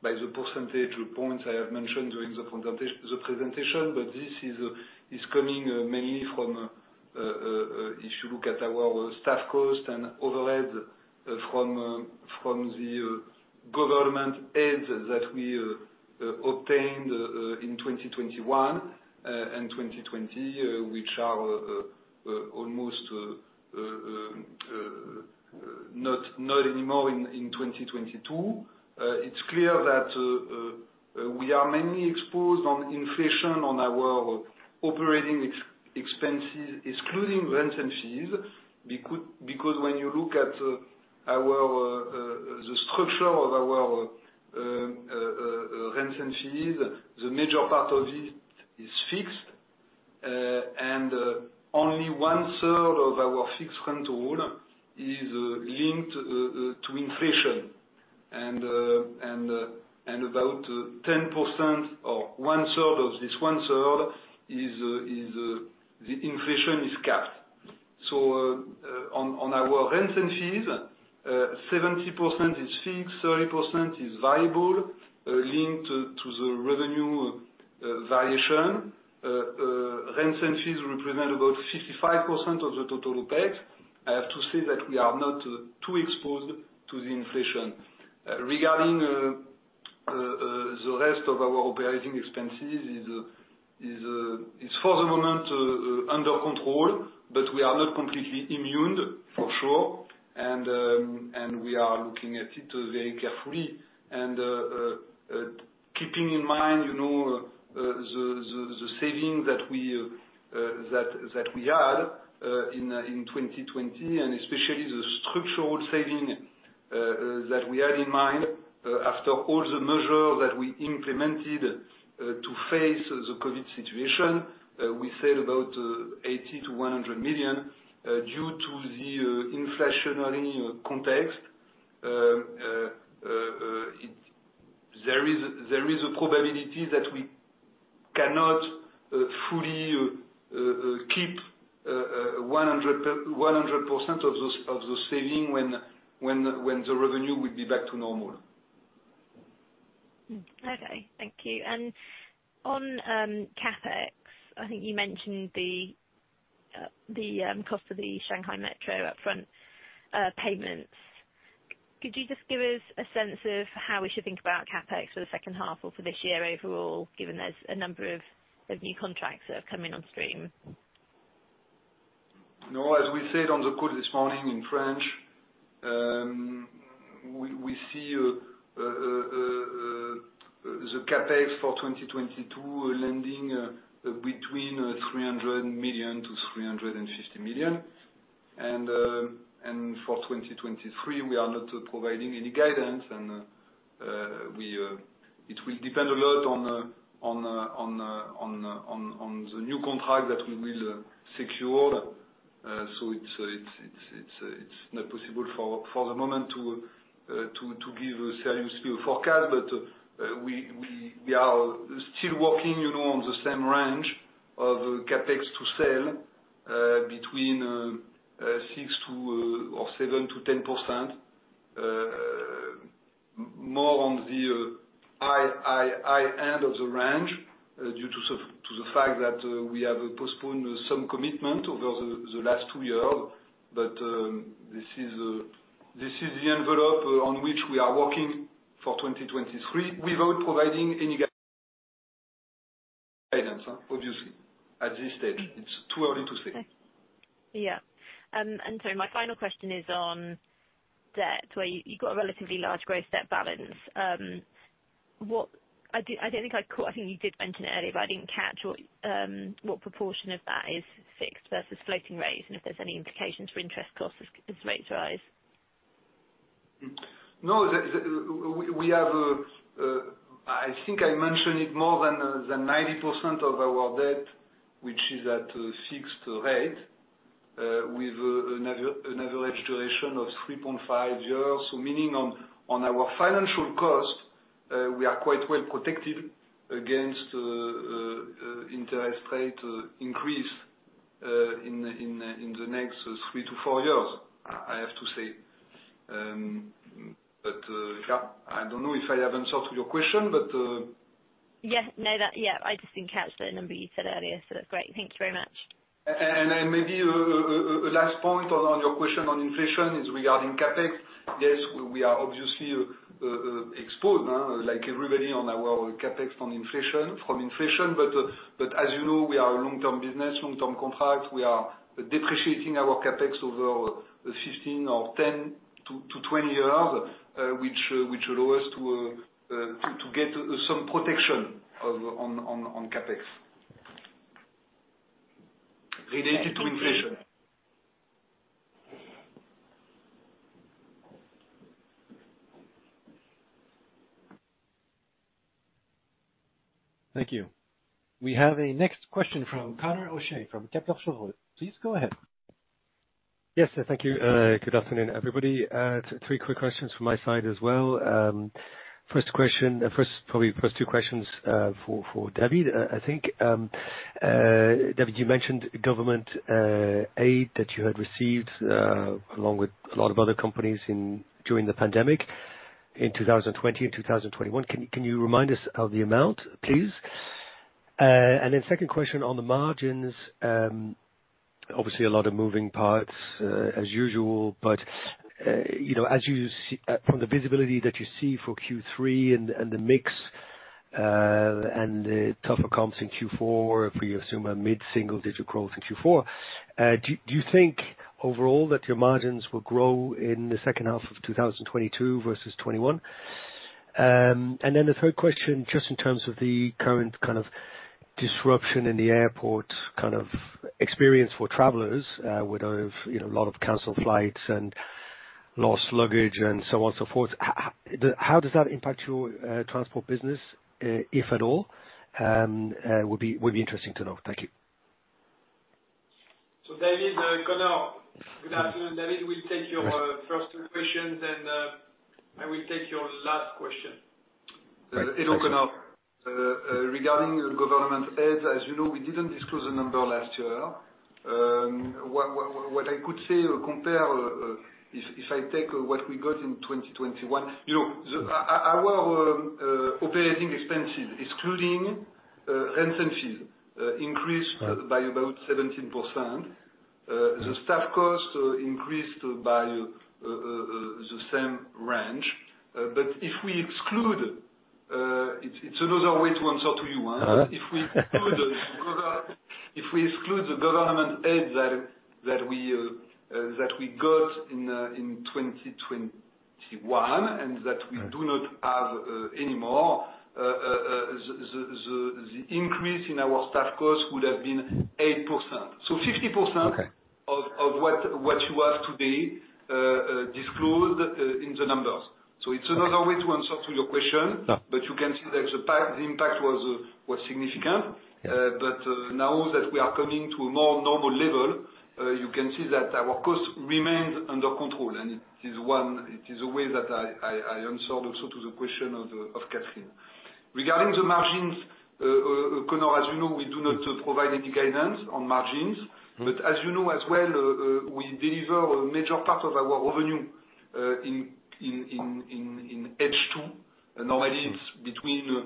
by the percentage points I have mentioned during the presentation. This is coming mainly from our staff cost and overhead from the government aids that we obtained in 2021 and 2020, which are almost not anymore in 2022. It's clear that we are mainly exposed on inflation on our operating expenses, excluding rents and fees, because when you look at the structure of our rents and fees, the major part of it is fixed, and only 1/3 of our fixed rent pool is linked to inflation. About 10% or 1/3 of this 1/3 is the inflation is capped. On our rents and fees, 70% is fixed, 30% is variable, linked to the revenue variation. Rents and fees represent about 55% of the total OpEx. I have to say that we are not too exposed to the inflation. Regarding the rest of our operating expenses is for the moment under control, but we are not completely immune, for sure. We are looking at it very carefully. Keeping in mind, you know, the savings that we had in 2020, and especially the structural savings that we had in mind after all the measures that we implemented to face the COVID situation, we saved about 80 million-100 million due to the inflationary context. There is a probability that we cannot fully keep a 100% of those savings when the revenue will be back to normal. Okay, thank you. On CapEx, I think you mentioned the cost of the Shanghai Metro upfront payments. Could you just give us a sense of how we should think about CapEx for the second half or for this year overall, given there's a number of new contracts that have come in on stream? No, as we said on the call this morning in French, we see the CapEx for 2022 landing between EUR 300 million-EUR 350 million. For 2023, we are not providing any guidance and it will depend a lot on the new contract that we will secure. It's not possible for the moment to give a serious forecast. We are still working, you know, on the same range of CapEx to sales between 6% to or 7%-10%. More on the high end of the range, due to the fact that we have postponed some commitment over the last two years. This is the envelope on which we are working for 2023, without providing any guidance, obviously, at this stage. It's too early to say. Yeah. Sorry, my final question is on debt, where you got a relatively large gross debt balance. I don't think I caught. I think you did mention it earlier, but I didn't catch what proportion of that is fixed versus floating rates, and if there's any implications for interest costs as rates rise. No. We have. I think I mentioned it, more than 90% of our debt, which is at a fixed rate, with an average duration of 3.5 years. Meaning on our financial cost, we are quite well protected against interest rate increase in the next three to four years, I have to say. Yeah, I don't know if I have answered your question, but. Yes. No, that, yeah, I just didn't catch the number you said earlier, so that's great. Thank you very much. Maybe last point on your question on inflation is regarding CapEx. Yes, we are obviously exposed, like everybody on our CapEx, to inflation. As you know, we are a long-term business, long-term contract. We are depreciating our CapEx over 15 or 10-20 years, which allow us to get some protection of CapEx related to inflation. Thank you. We have a next question from Conor O'Shea from Kepler Cheuvreux. Please go ahead. Yes, thank you. Good afternoon, everybody. Three quick questions from my side as well. First question, first, probably the first two questions, for David. I think, David, you mentioned government aid that you had received, along with a lot of other companies during the pandemic in 2020 and 2021. Can you remind us of the amount, please? And then second question on the margins. Obviously a lot of moving parts, as usual, from the visibility that you see for Q3 and the mix, and the tougher comps in Q4, if we assume a mid-single-digit growth in Q4, do you think overall that your margins will grow in the second half of 2022 versus 2021? The third question, just in terms of the current kind of disruption in the airport kind of experience for travelers, with you know, a lot of canceled flights and lost luggage and so on and so forth. How does that impact your transport business, if at all? Would be interesting to know. Thank you. David, Conor. Good afternoon. David will take your first two questions, then I will take your last question. Thank you. Hello, Conor O'Shea. Regarding government aids, as you know, we didn't disclose the number last year. What I could say or compare, if I take what we got in 2021, you know, our operating expenses, excluding rents and fees, increased- Right. by about 17%. The staff costs increased by the same range. It's another way to answer to you, huh? Uh-huh. If we exclude the government aid that we got in 2021, and that we do not have anymore, the increase in our staff costs would have been 8%. So 50%- Okay. of what we have today disclosed in the numbers. It's another way to answer to your question. No. You can see that the impact was significant. Yeah. Now that we are coming to a more normal level, you can see that our costs remained under control. It is a way that I answered also to the question of Catherine. Regarding the margins, Conor, as you know, we do not provide any guidance on margins. Mm-hmm. As you know as well, we deliver a major part of our revenue in H2. Normally it's between,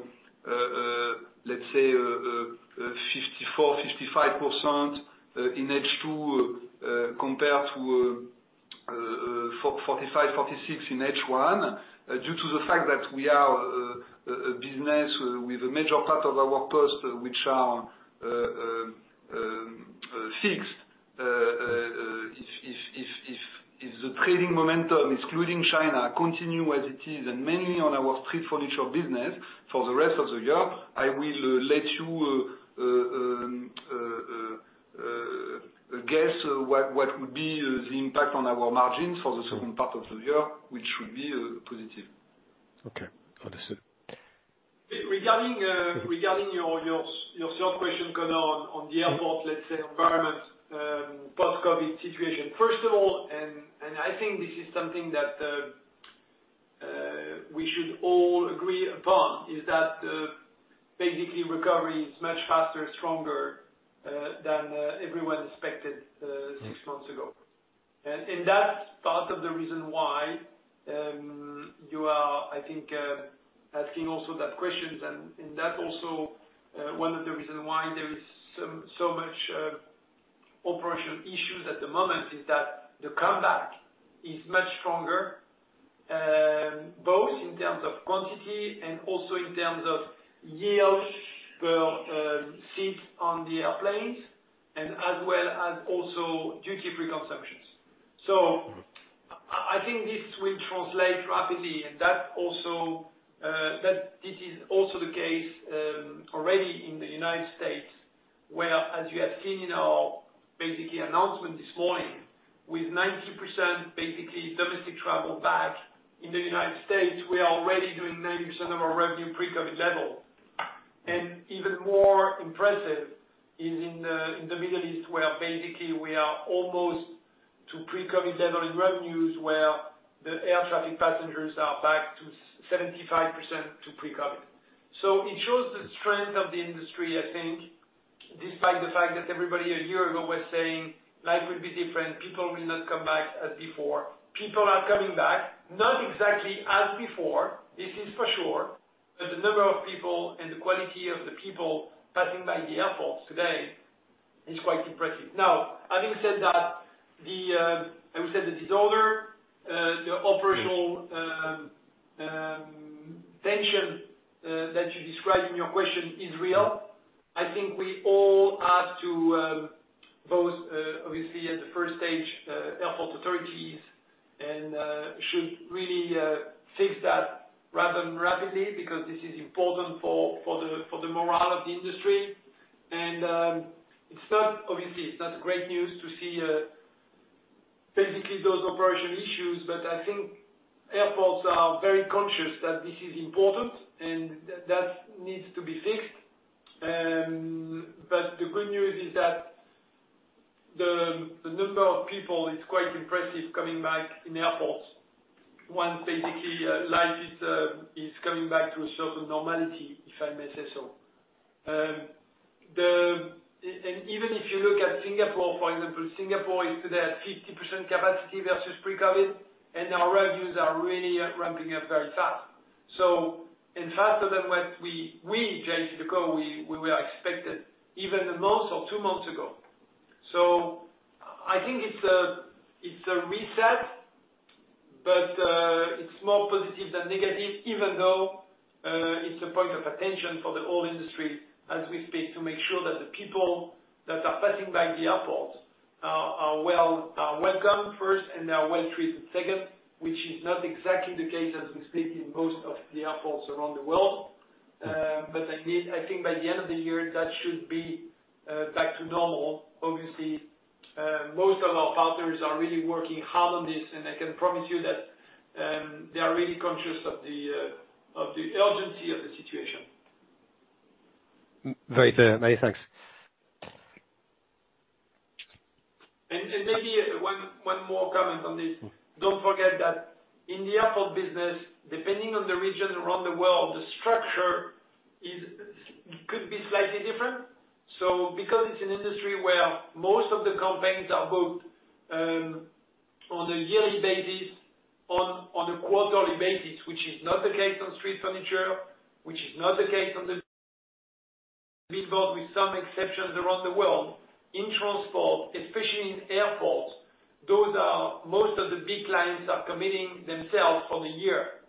let's say, 54%-55% in H2 compared to 45%-46% in H1. Due to the fact that we are a business with a major part of our costs which are fixed. If the trading momentum, excluding China, continue as it is, and mainly on our Street Furniture business for the rest of the year, I will let you guess what would be the impact on our margins for the second part of the year, which should be positive. Okay. Understood. Regarding your third question, Conor, on the airport, let's say environment, post-COVID situation. First of all, I think this is something that we should all agree upon, is that basically recovery is much faster, stronger than everyone expected six months ago. That's part of the reason why you are, I think, asking also that question. That also one of the reasons why there is so much operational issues at the moment, is that the comeback is much stronger both in terms of quantity and also in terms of yield per seat on the airplanes and as well as also duty-free consumptions. I think this will translate rapidly and that also, that this is also the case already in the United States, where, as you have seen in our basically announcement this morning, with 90% basically domestic travel back in the United States, we are already doing 90% of our revenue pre-COVID level. Even more impressive is in the Middle East, where basically we are almost to pre-COVID level in revenues, where the air traffic passengers are back to 75% to pre-COVID. It shows the strength of the industry, I think, despite the fact that everybody a year ago was saying life will be different, people will not come back as before. People are coming back, not exactly as before, this is for sure, but the number of people and the quality of the people passing by the airports today is quite impressive. Now, having said that, I would say the disorder, the operational. Mm-hmm. The tension that you described in your question is real. I think we all have to both obviously at the first stage airport authorities and should really fix that rather rapidly because this is important for the morale of the industry. It's not obviously great news to see basically those operational issues, but I think airports are very conscious that this is important and that needs to be fixed. The good news is that the number of people is quite impressive coming back in airports. Once basically life is coming back to a certain normality, if I may say so. Even if you look at Singapore, for example, Singapore is today at 50% capacity versus pre-COVID, and our revenues are really ramping up very fast. And faster than what we JCDecaux had expected even a month or two months ago. I think it's a reset, but it's more positive than negative, even though it's a point of attention for the whole industry as we speak, to make sure that the people that are passing by the airports are well welcome first and are well treated second, which is not exactly the case as we speak in most of the airports around the world. But I think by the end of the year that should be back to normal. Obviously, most of our partners are really working hard on this, and I can promise you that they are really conscious of the urgency of the situation. Very fair. Many thanks. Maybe one more comment on this. Don't forget that in the airport business, depending on the region around the world, the structure could be slightly different. Because it's an industry where most of the campaigns are booked on a yearly basis, on a quarterly basis, which is not the case on Street Furniture, which is not the case on the Billboard, with some exceptions around the world. In Transport, especially in airports, most of the big clients are committing themselves for the year.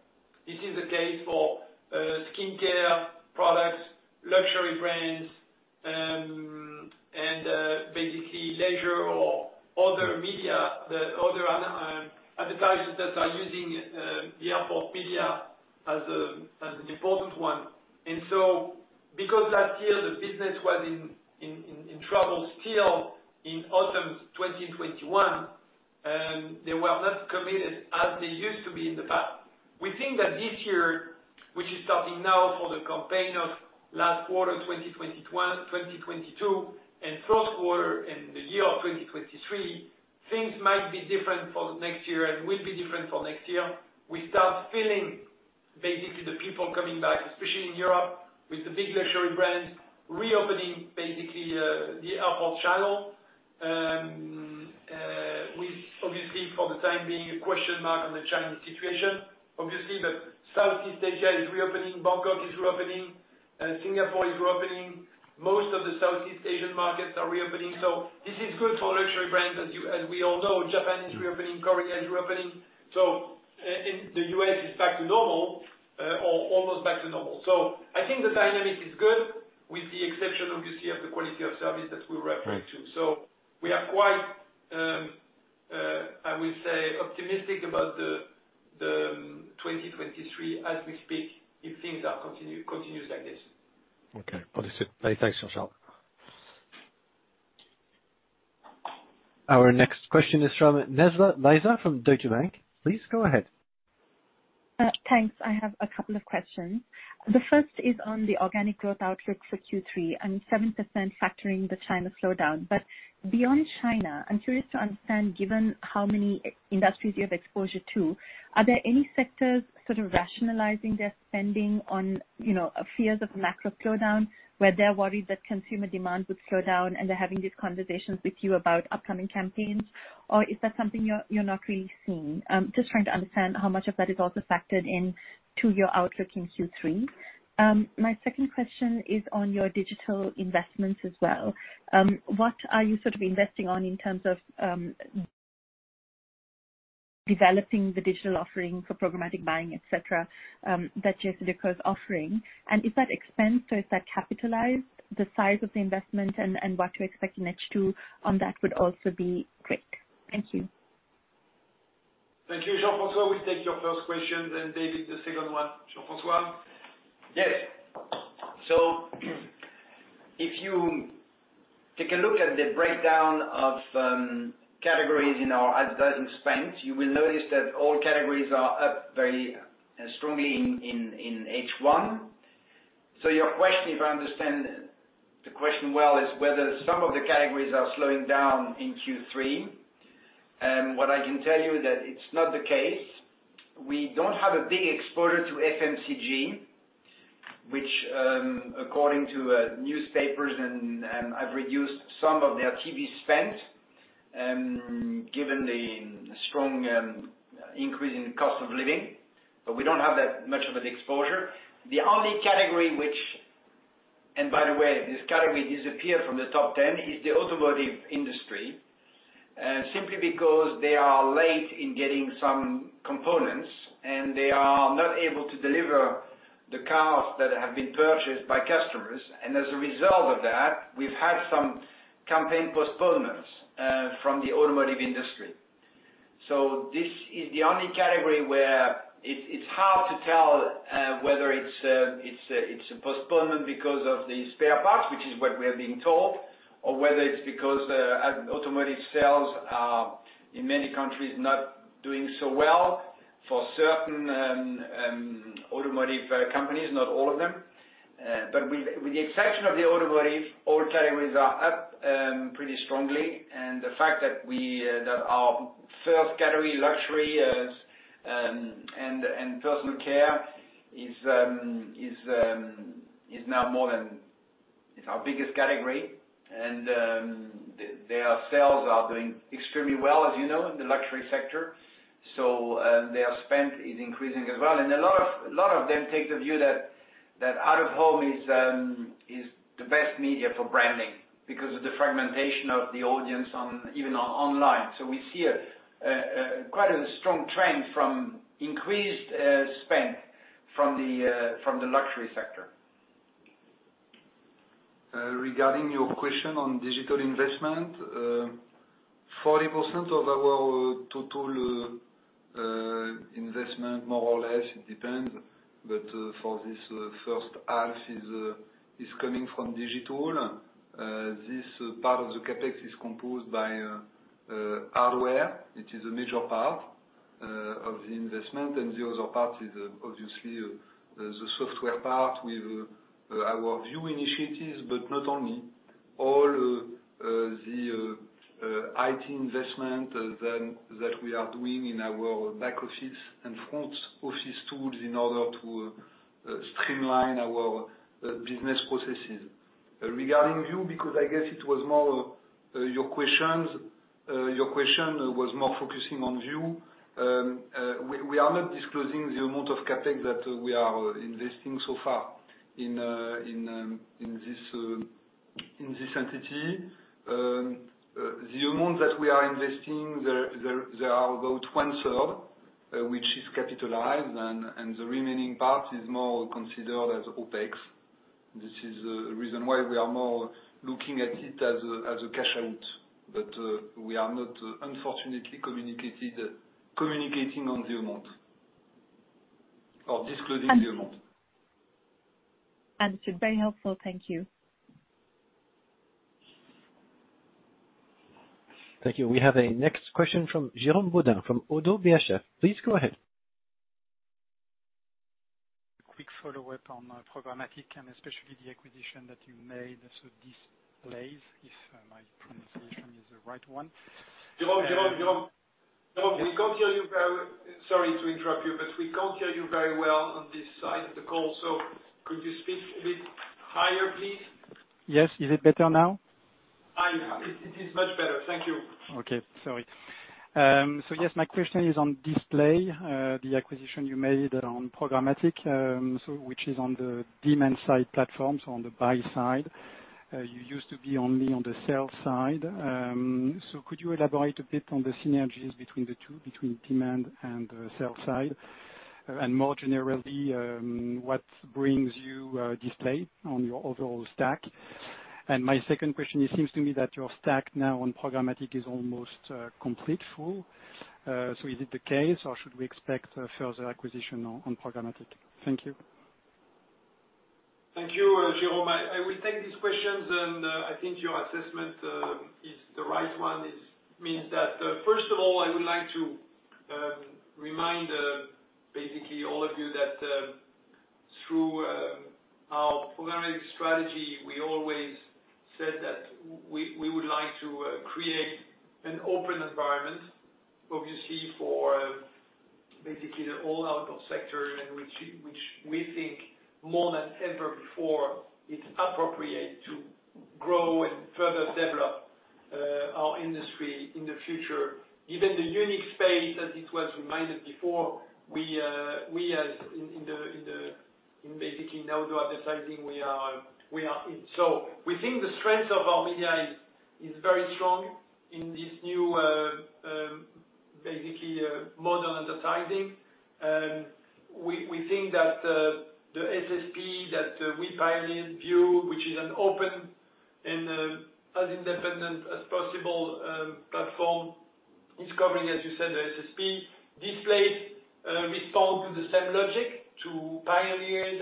This is the case for skincare products, luxury brands, and basically leisure or other media. The other advertisers that are using the airport media as an important one. Because last year the business was in trouble still in autumn 2021, they were not committed as they used to be in the past. We think that this year, which is starting now for the campaign of last quarter 2021, 2022 and first quarter in the year of 2023, things might be different for next year and will be different for next year. We start feeling basically the people coming back, especially in Europe, with the big luxury brands reopening basically, the airport channel, with obviously for the time being a question mark on the China situation. Obviously, but Southeast Asia is reopening, Bangkok is reopening, Singapore is reopening. Most of the Southeast Asian markets are reopening. This is good for luxury brands, as you, as we all know. Japan is reopening, Korea is reopening. The U.S. is back to normal, or almost back to normal. I think the dynamic is good with the exception, obviously, of the quality of service that we referred to. Right. We are quite, I will say, optimistic about the 2023 as we speak, if things continue like this. Okay. Understood. Many thanks, Jean-Charles. Our next question is from Nizla Naizer from Deutsche Bank. Please go ahead. Thanks. I have a couple of questions. The first is on the organic growth outlook for Q3 and 7% factoring the China slowdown. But beyond China, I'm curious to understand, given how many industries you have exposure to, are there any sectors sort of rationalizing their spending on, you know, fears of macro slowdown, where they're worried that consumer demand would slow down and they're having these conversations with you about upcoming campaigns? Or is that something you're not really seeing? Just trying to understand how much of that is also factored in to your outlook in Q3. My second question is on your digital investments as well. What are you sort of investing on in terms of, developing the digital offering for programmatic buying, et cetera, that JCDecaux is offering? Is that expense or is that capitalized, the size of the investment and what to expect in H2 on that would also be great? Thank you. Thank you. Jean-François will take your first question, then David, the second one. Jean-François. Yes. If you take a look at the breakdown of categories in our advertising spend, you will notice that all categories are up very strongly in H1. Your question, if I understand the question well, is whether some of the categories are slowing down in Q3. What I can tell you that it's not the case. We don't have a big exposure to FMCG, which, according to newspapers and, have reduced some of their TV spend, given the strong increase in cost of living. But we don't have that much of an exposure. And by the way, this category disappeared from the top ten is the automotive industry, simply because they are late in getting some components and they are not able to deliver the cars that have been purchased by customers. As a result of that, we've had some campaign postponements from the automotive industry. This is the only category where it's hard to tell whether it's a postponement because of the spare parts, which is what we have been told, or whether it's because automotive sales are in many countries not doing so well. For certain automotive companies, not all of them. With the exception of the automotive, all categories are up pretty strongly. The fact that our first category, luxury and personal care is now more than, it's our biggest category, and their sales are doing extremely well, as you know, the luxury sector. Their spend is increasing as well. A lot of them take the view that out-of-home is the best media for branding because of the fragmentation of the audience on even online. We see quite a strong trend from increased spend from the luxury sector. Regarding your question on digital investment, 40% of our total investment more or less, it depends, but, for this first half is coming from digital. This part of the CapEx is composed by hardware. It is a major part of the investment. The other part is obviously the software part with our VIOOH initiatives, but not only. All the IT investment then that we are doing in our back office and front office tools in order to streamline our business processes. Regarding VIOOH, because I guess it was more your question, your question was more focusing on VIOOH. We are not disclosing the amount of CapEx that we are investing so far in this entity. The amount that we are investing there are about 1/3 which is capitalized and the remaining part is more considered as OpEx. This is the reason why we are more looking at it as a cash out, but we are not unfortunately communicating on the amount or disclosing the amount. Understood. Very helpful. Thank you. Thank you. We have a next question from Jérôme Bodin from ODDO BHF. Please go ahead. Quick follow-up on programmatic, and especially the acquisition that you made. Displayce, if my pronunciation is the right one. Jérôme, we can't hear you. Sorry to interrupt you, but we can't hear you very well on this side of the call. Could you speak a bit higher, please? Yes. Is it better now? It is much better. Thank you. Okay. Sorry. Yes, my question is on Displayce, the acquisition you made on programmatic, which is on the demand side platform, so on the buy side. You used to be only on the sell side. Could you elaborate a bit on the synergies between the two, between demand and the sell side? More generally, what brings you Displayce on your overall stack? My second question, it seems to me that your stack now on programmatic is almost completely full. Is it the case or should we expect further acquisition on programmatic? Thank you. Thank you, Jérôme. I will take these questions, and I think your assessment is the right one. It means that first of all, I would like to remind basically all of you that through our programmatic strategy, we always said that we would like to create an open environment, obviously for basically the all outdoor sector and which we think more than ever before, it's appropriate to grow and further develop our industry in the future. Given the unique space, as it was reminded before, we are in basically now to advertising. We think the strength of our media is very strong in this new basically modern advertising. We think that the SSP that we pioneer in VIOOH, which is an open and as independent as possible platform, is covering, as you said, the SSP. Displayce respond to the same logic to pioneers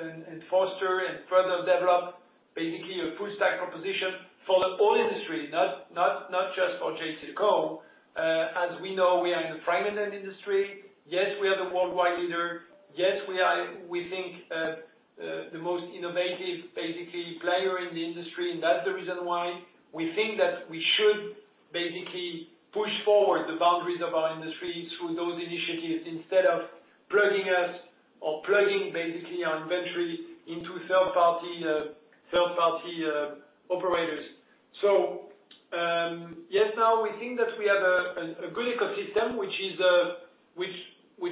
and foster and further develop basically a full stack proposition for the whole industry, not just for JCDecaux. As we know, we are in a fragmented industry. Yes, we are the worldwide leader. Yes, we are, we think, the most innovative basically player in the industry, and that's the reason why we think that we should basically push forward the boundaries of our industry through those initiatives instead of plugging us or plugging basically our inventory into third party operators. Yes, now we think that we have a good ecosystem which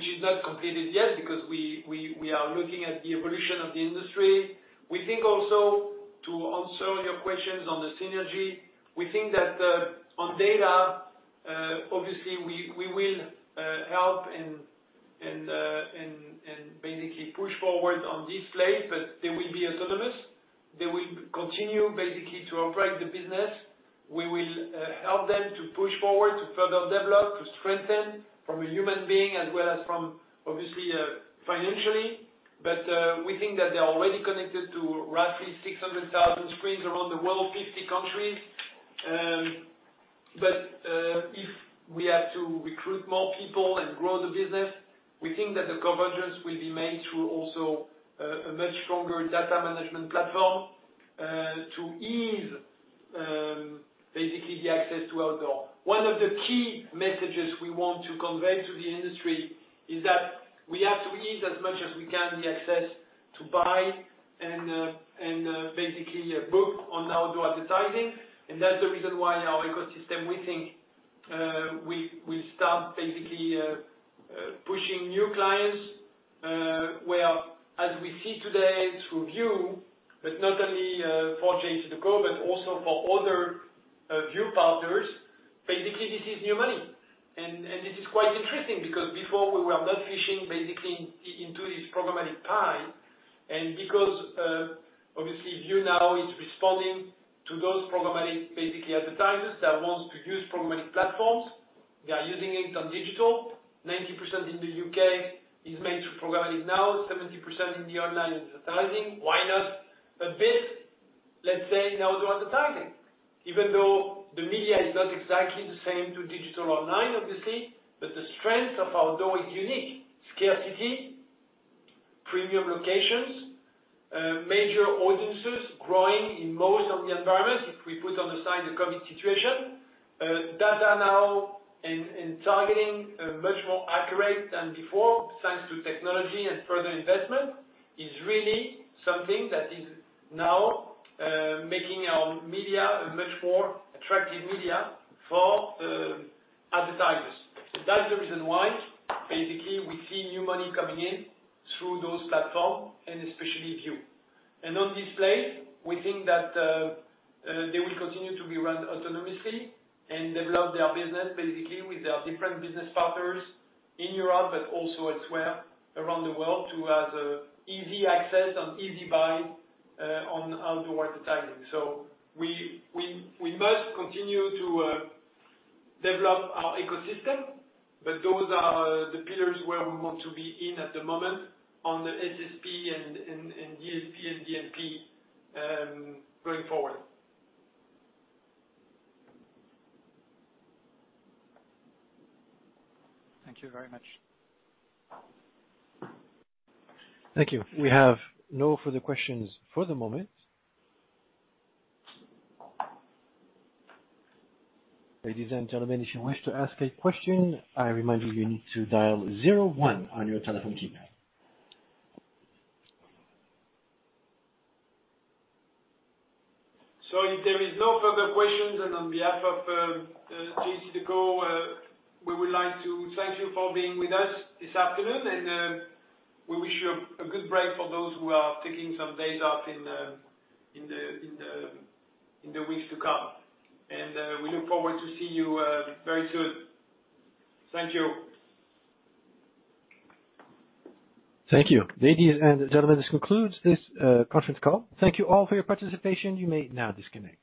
is not completed yet because we are looking at the evolution of the industry. We think also, to answer your questions on the synergy, we think that on data obviously we will help and basically push forward on Displayce, but they will be autonomous. They will continue basically to operate the business. We will help them to push forward, to further develop, to strengthen from a human being as well as from, obviously, financially. We think that they are already connected to roughly 600,000 screens around the world, 50 countries. If we have to recruit more people and grow the business, we think that the convergence will be made through also a much stronger data management platform to ease basically the access to outdoor. One of the key messages we want to convey to the industry is that we have to ease as much as we can the access to buy and basically book on outdoor advertising. That's the reason why our ecosystem, we think, we start basically pushing new clients, whereas we see today through VIOOH, but not only for JCDecaux, but also for other VIOOH partners. Basically, this is new money. This is quite interesting because before we were not fishing basically into this programmatic pie. Because, obviously VIOOH now is responding to those programmatic basically advertisers that wants to use programmatic platforms. They are using it on digital. 90% in the U.K. is made through programmatic now, 70% in the online advertising. Why not a bit, let's say, in outdoor advertising? Even though the media is not exactly the same to digital online, obviously, but the strength of outdoor is unique. Scarcity, premium locations, major audiences growing in most of the environments, if we put on the side the COVID situation. Data now and targeting, much more accurate than before, thanks to technology and further investment, is really something that is now making our media a much more attractive media for advertisers. That's the reason why basically we see new money coming in through those platforms and especially VIOOH. In this space, we think that they will continue to be run autonomously and develop their business, basically, with their different business partners in Europe, but also elsewhere around the world to have easy access and easy buying on outdoor advertising. We must continue to develop our ecosystem, but those are the pillars where we want to be in at the moment on the SSP and DSP and DMP going forward. Thank you very much. Thank you. We have no further questions for the moment. Ladies and gentlemen, if you wish to ask a question, I remind you need to dial zero one on your telephone keypad. If there is no further questions, on behalf of JCDecaux, we would like to thank you for being with us this afternoon. We wish you a good break for those who are taking some days off in the weeks to come. We look forward to see you very soon. Thank you. Thank you. Ladies and gentlemen, this concludes this conference call. Thank you all for your participation. You may now disconnect.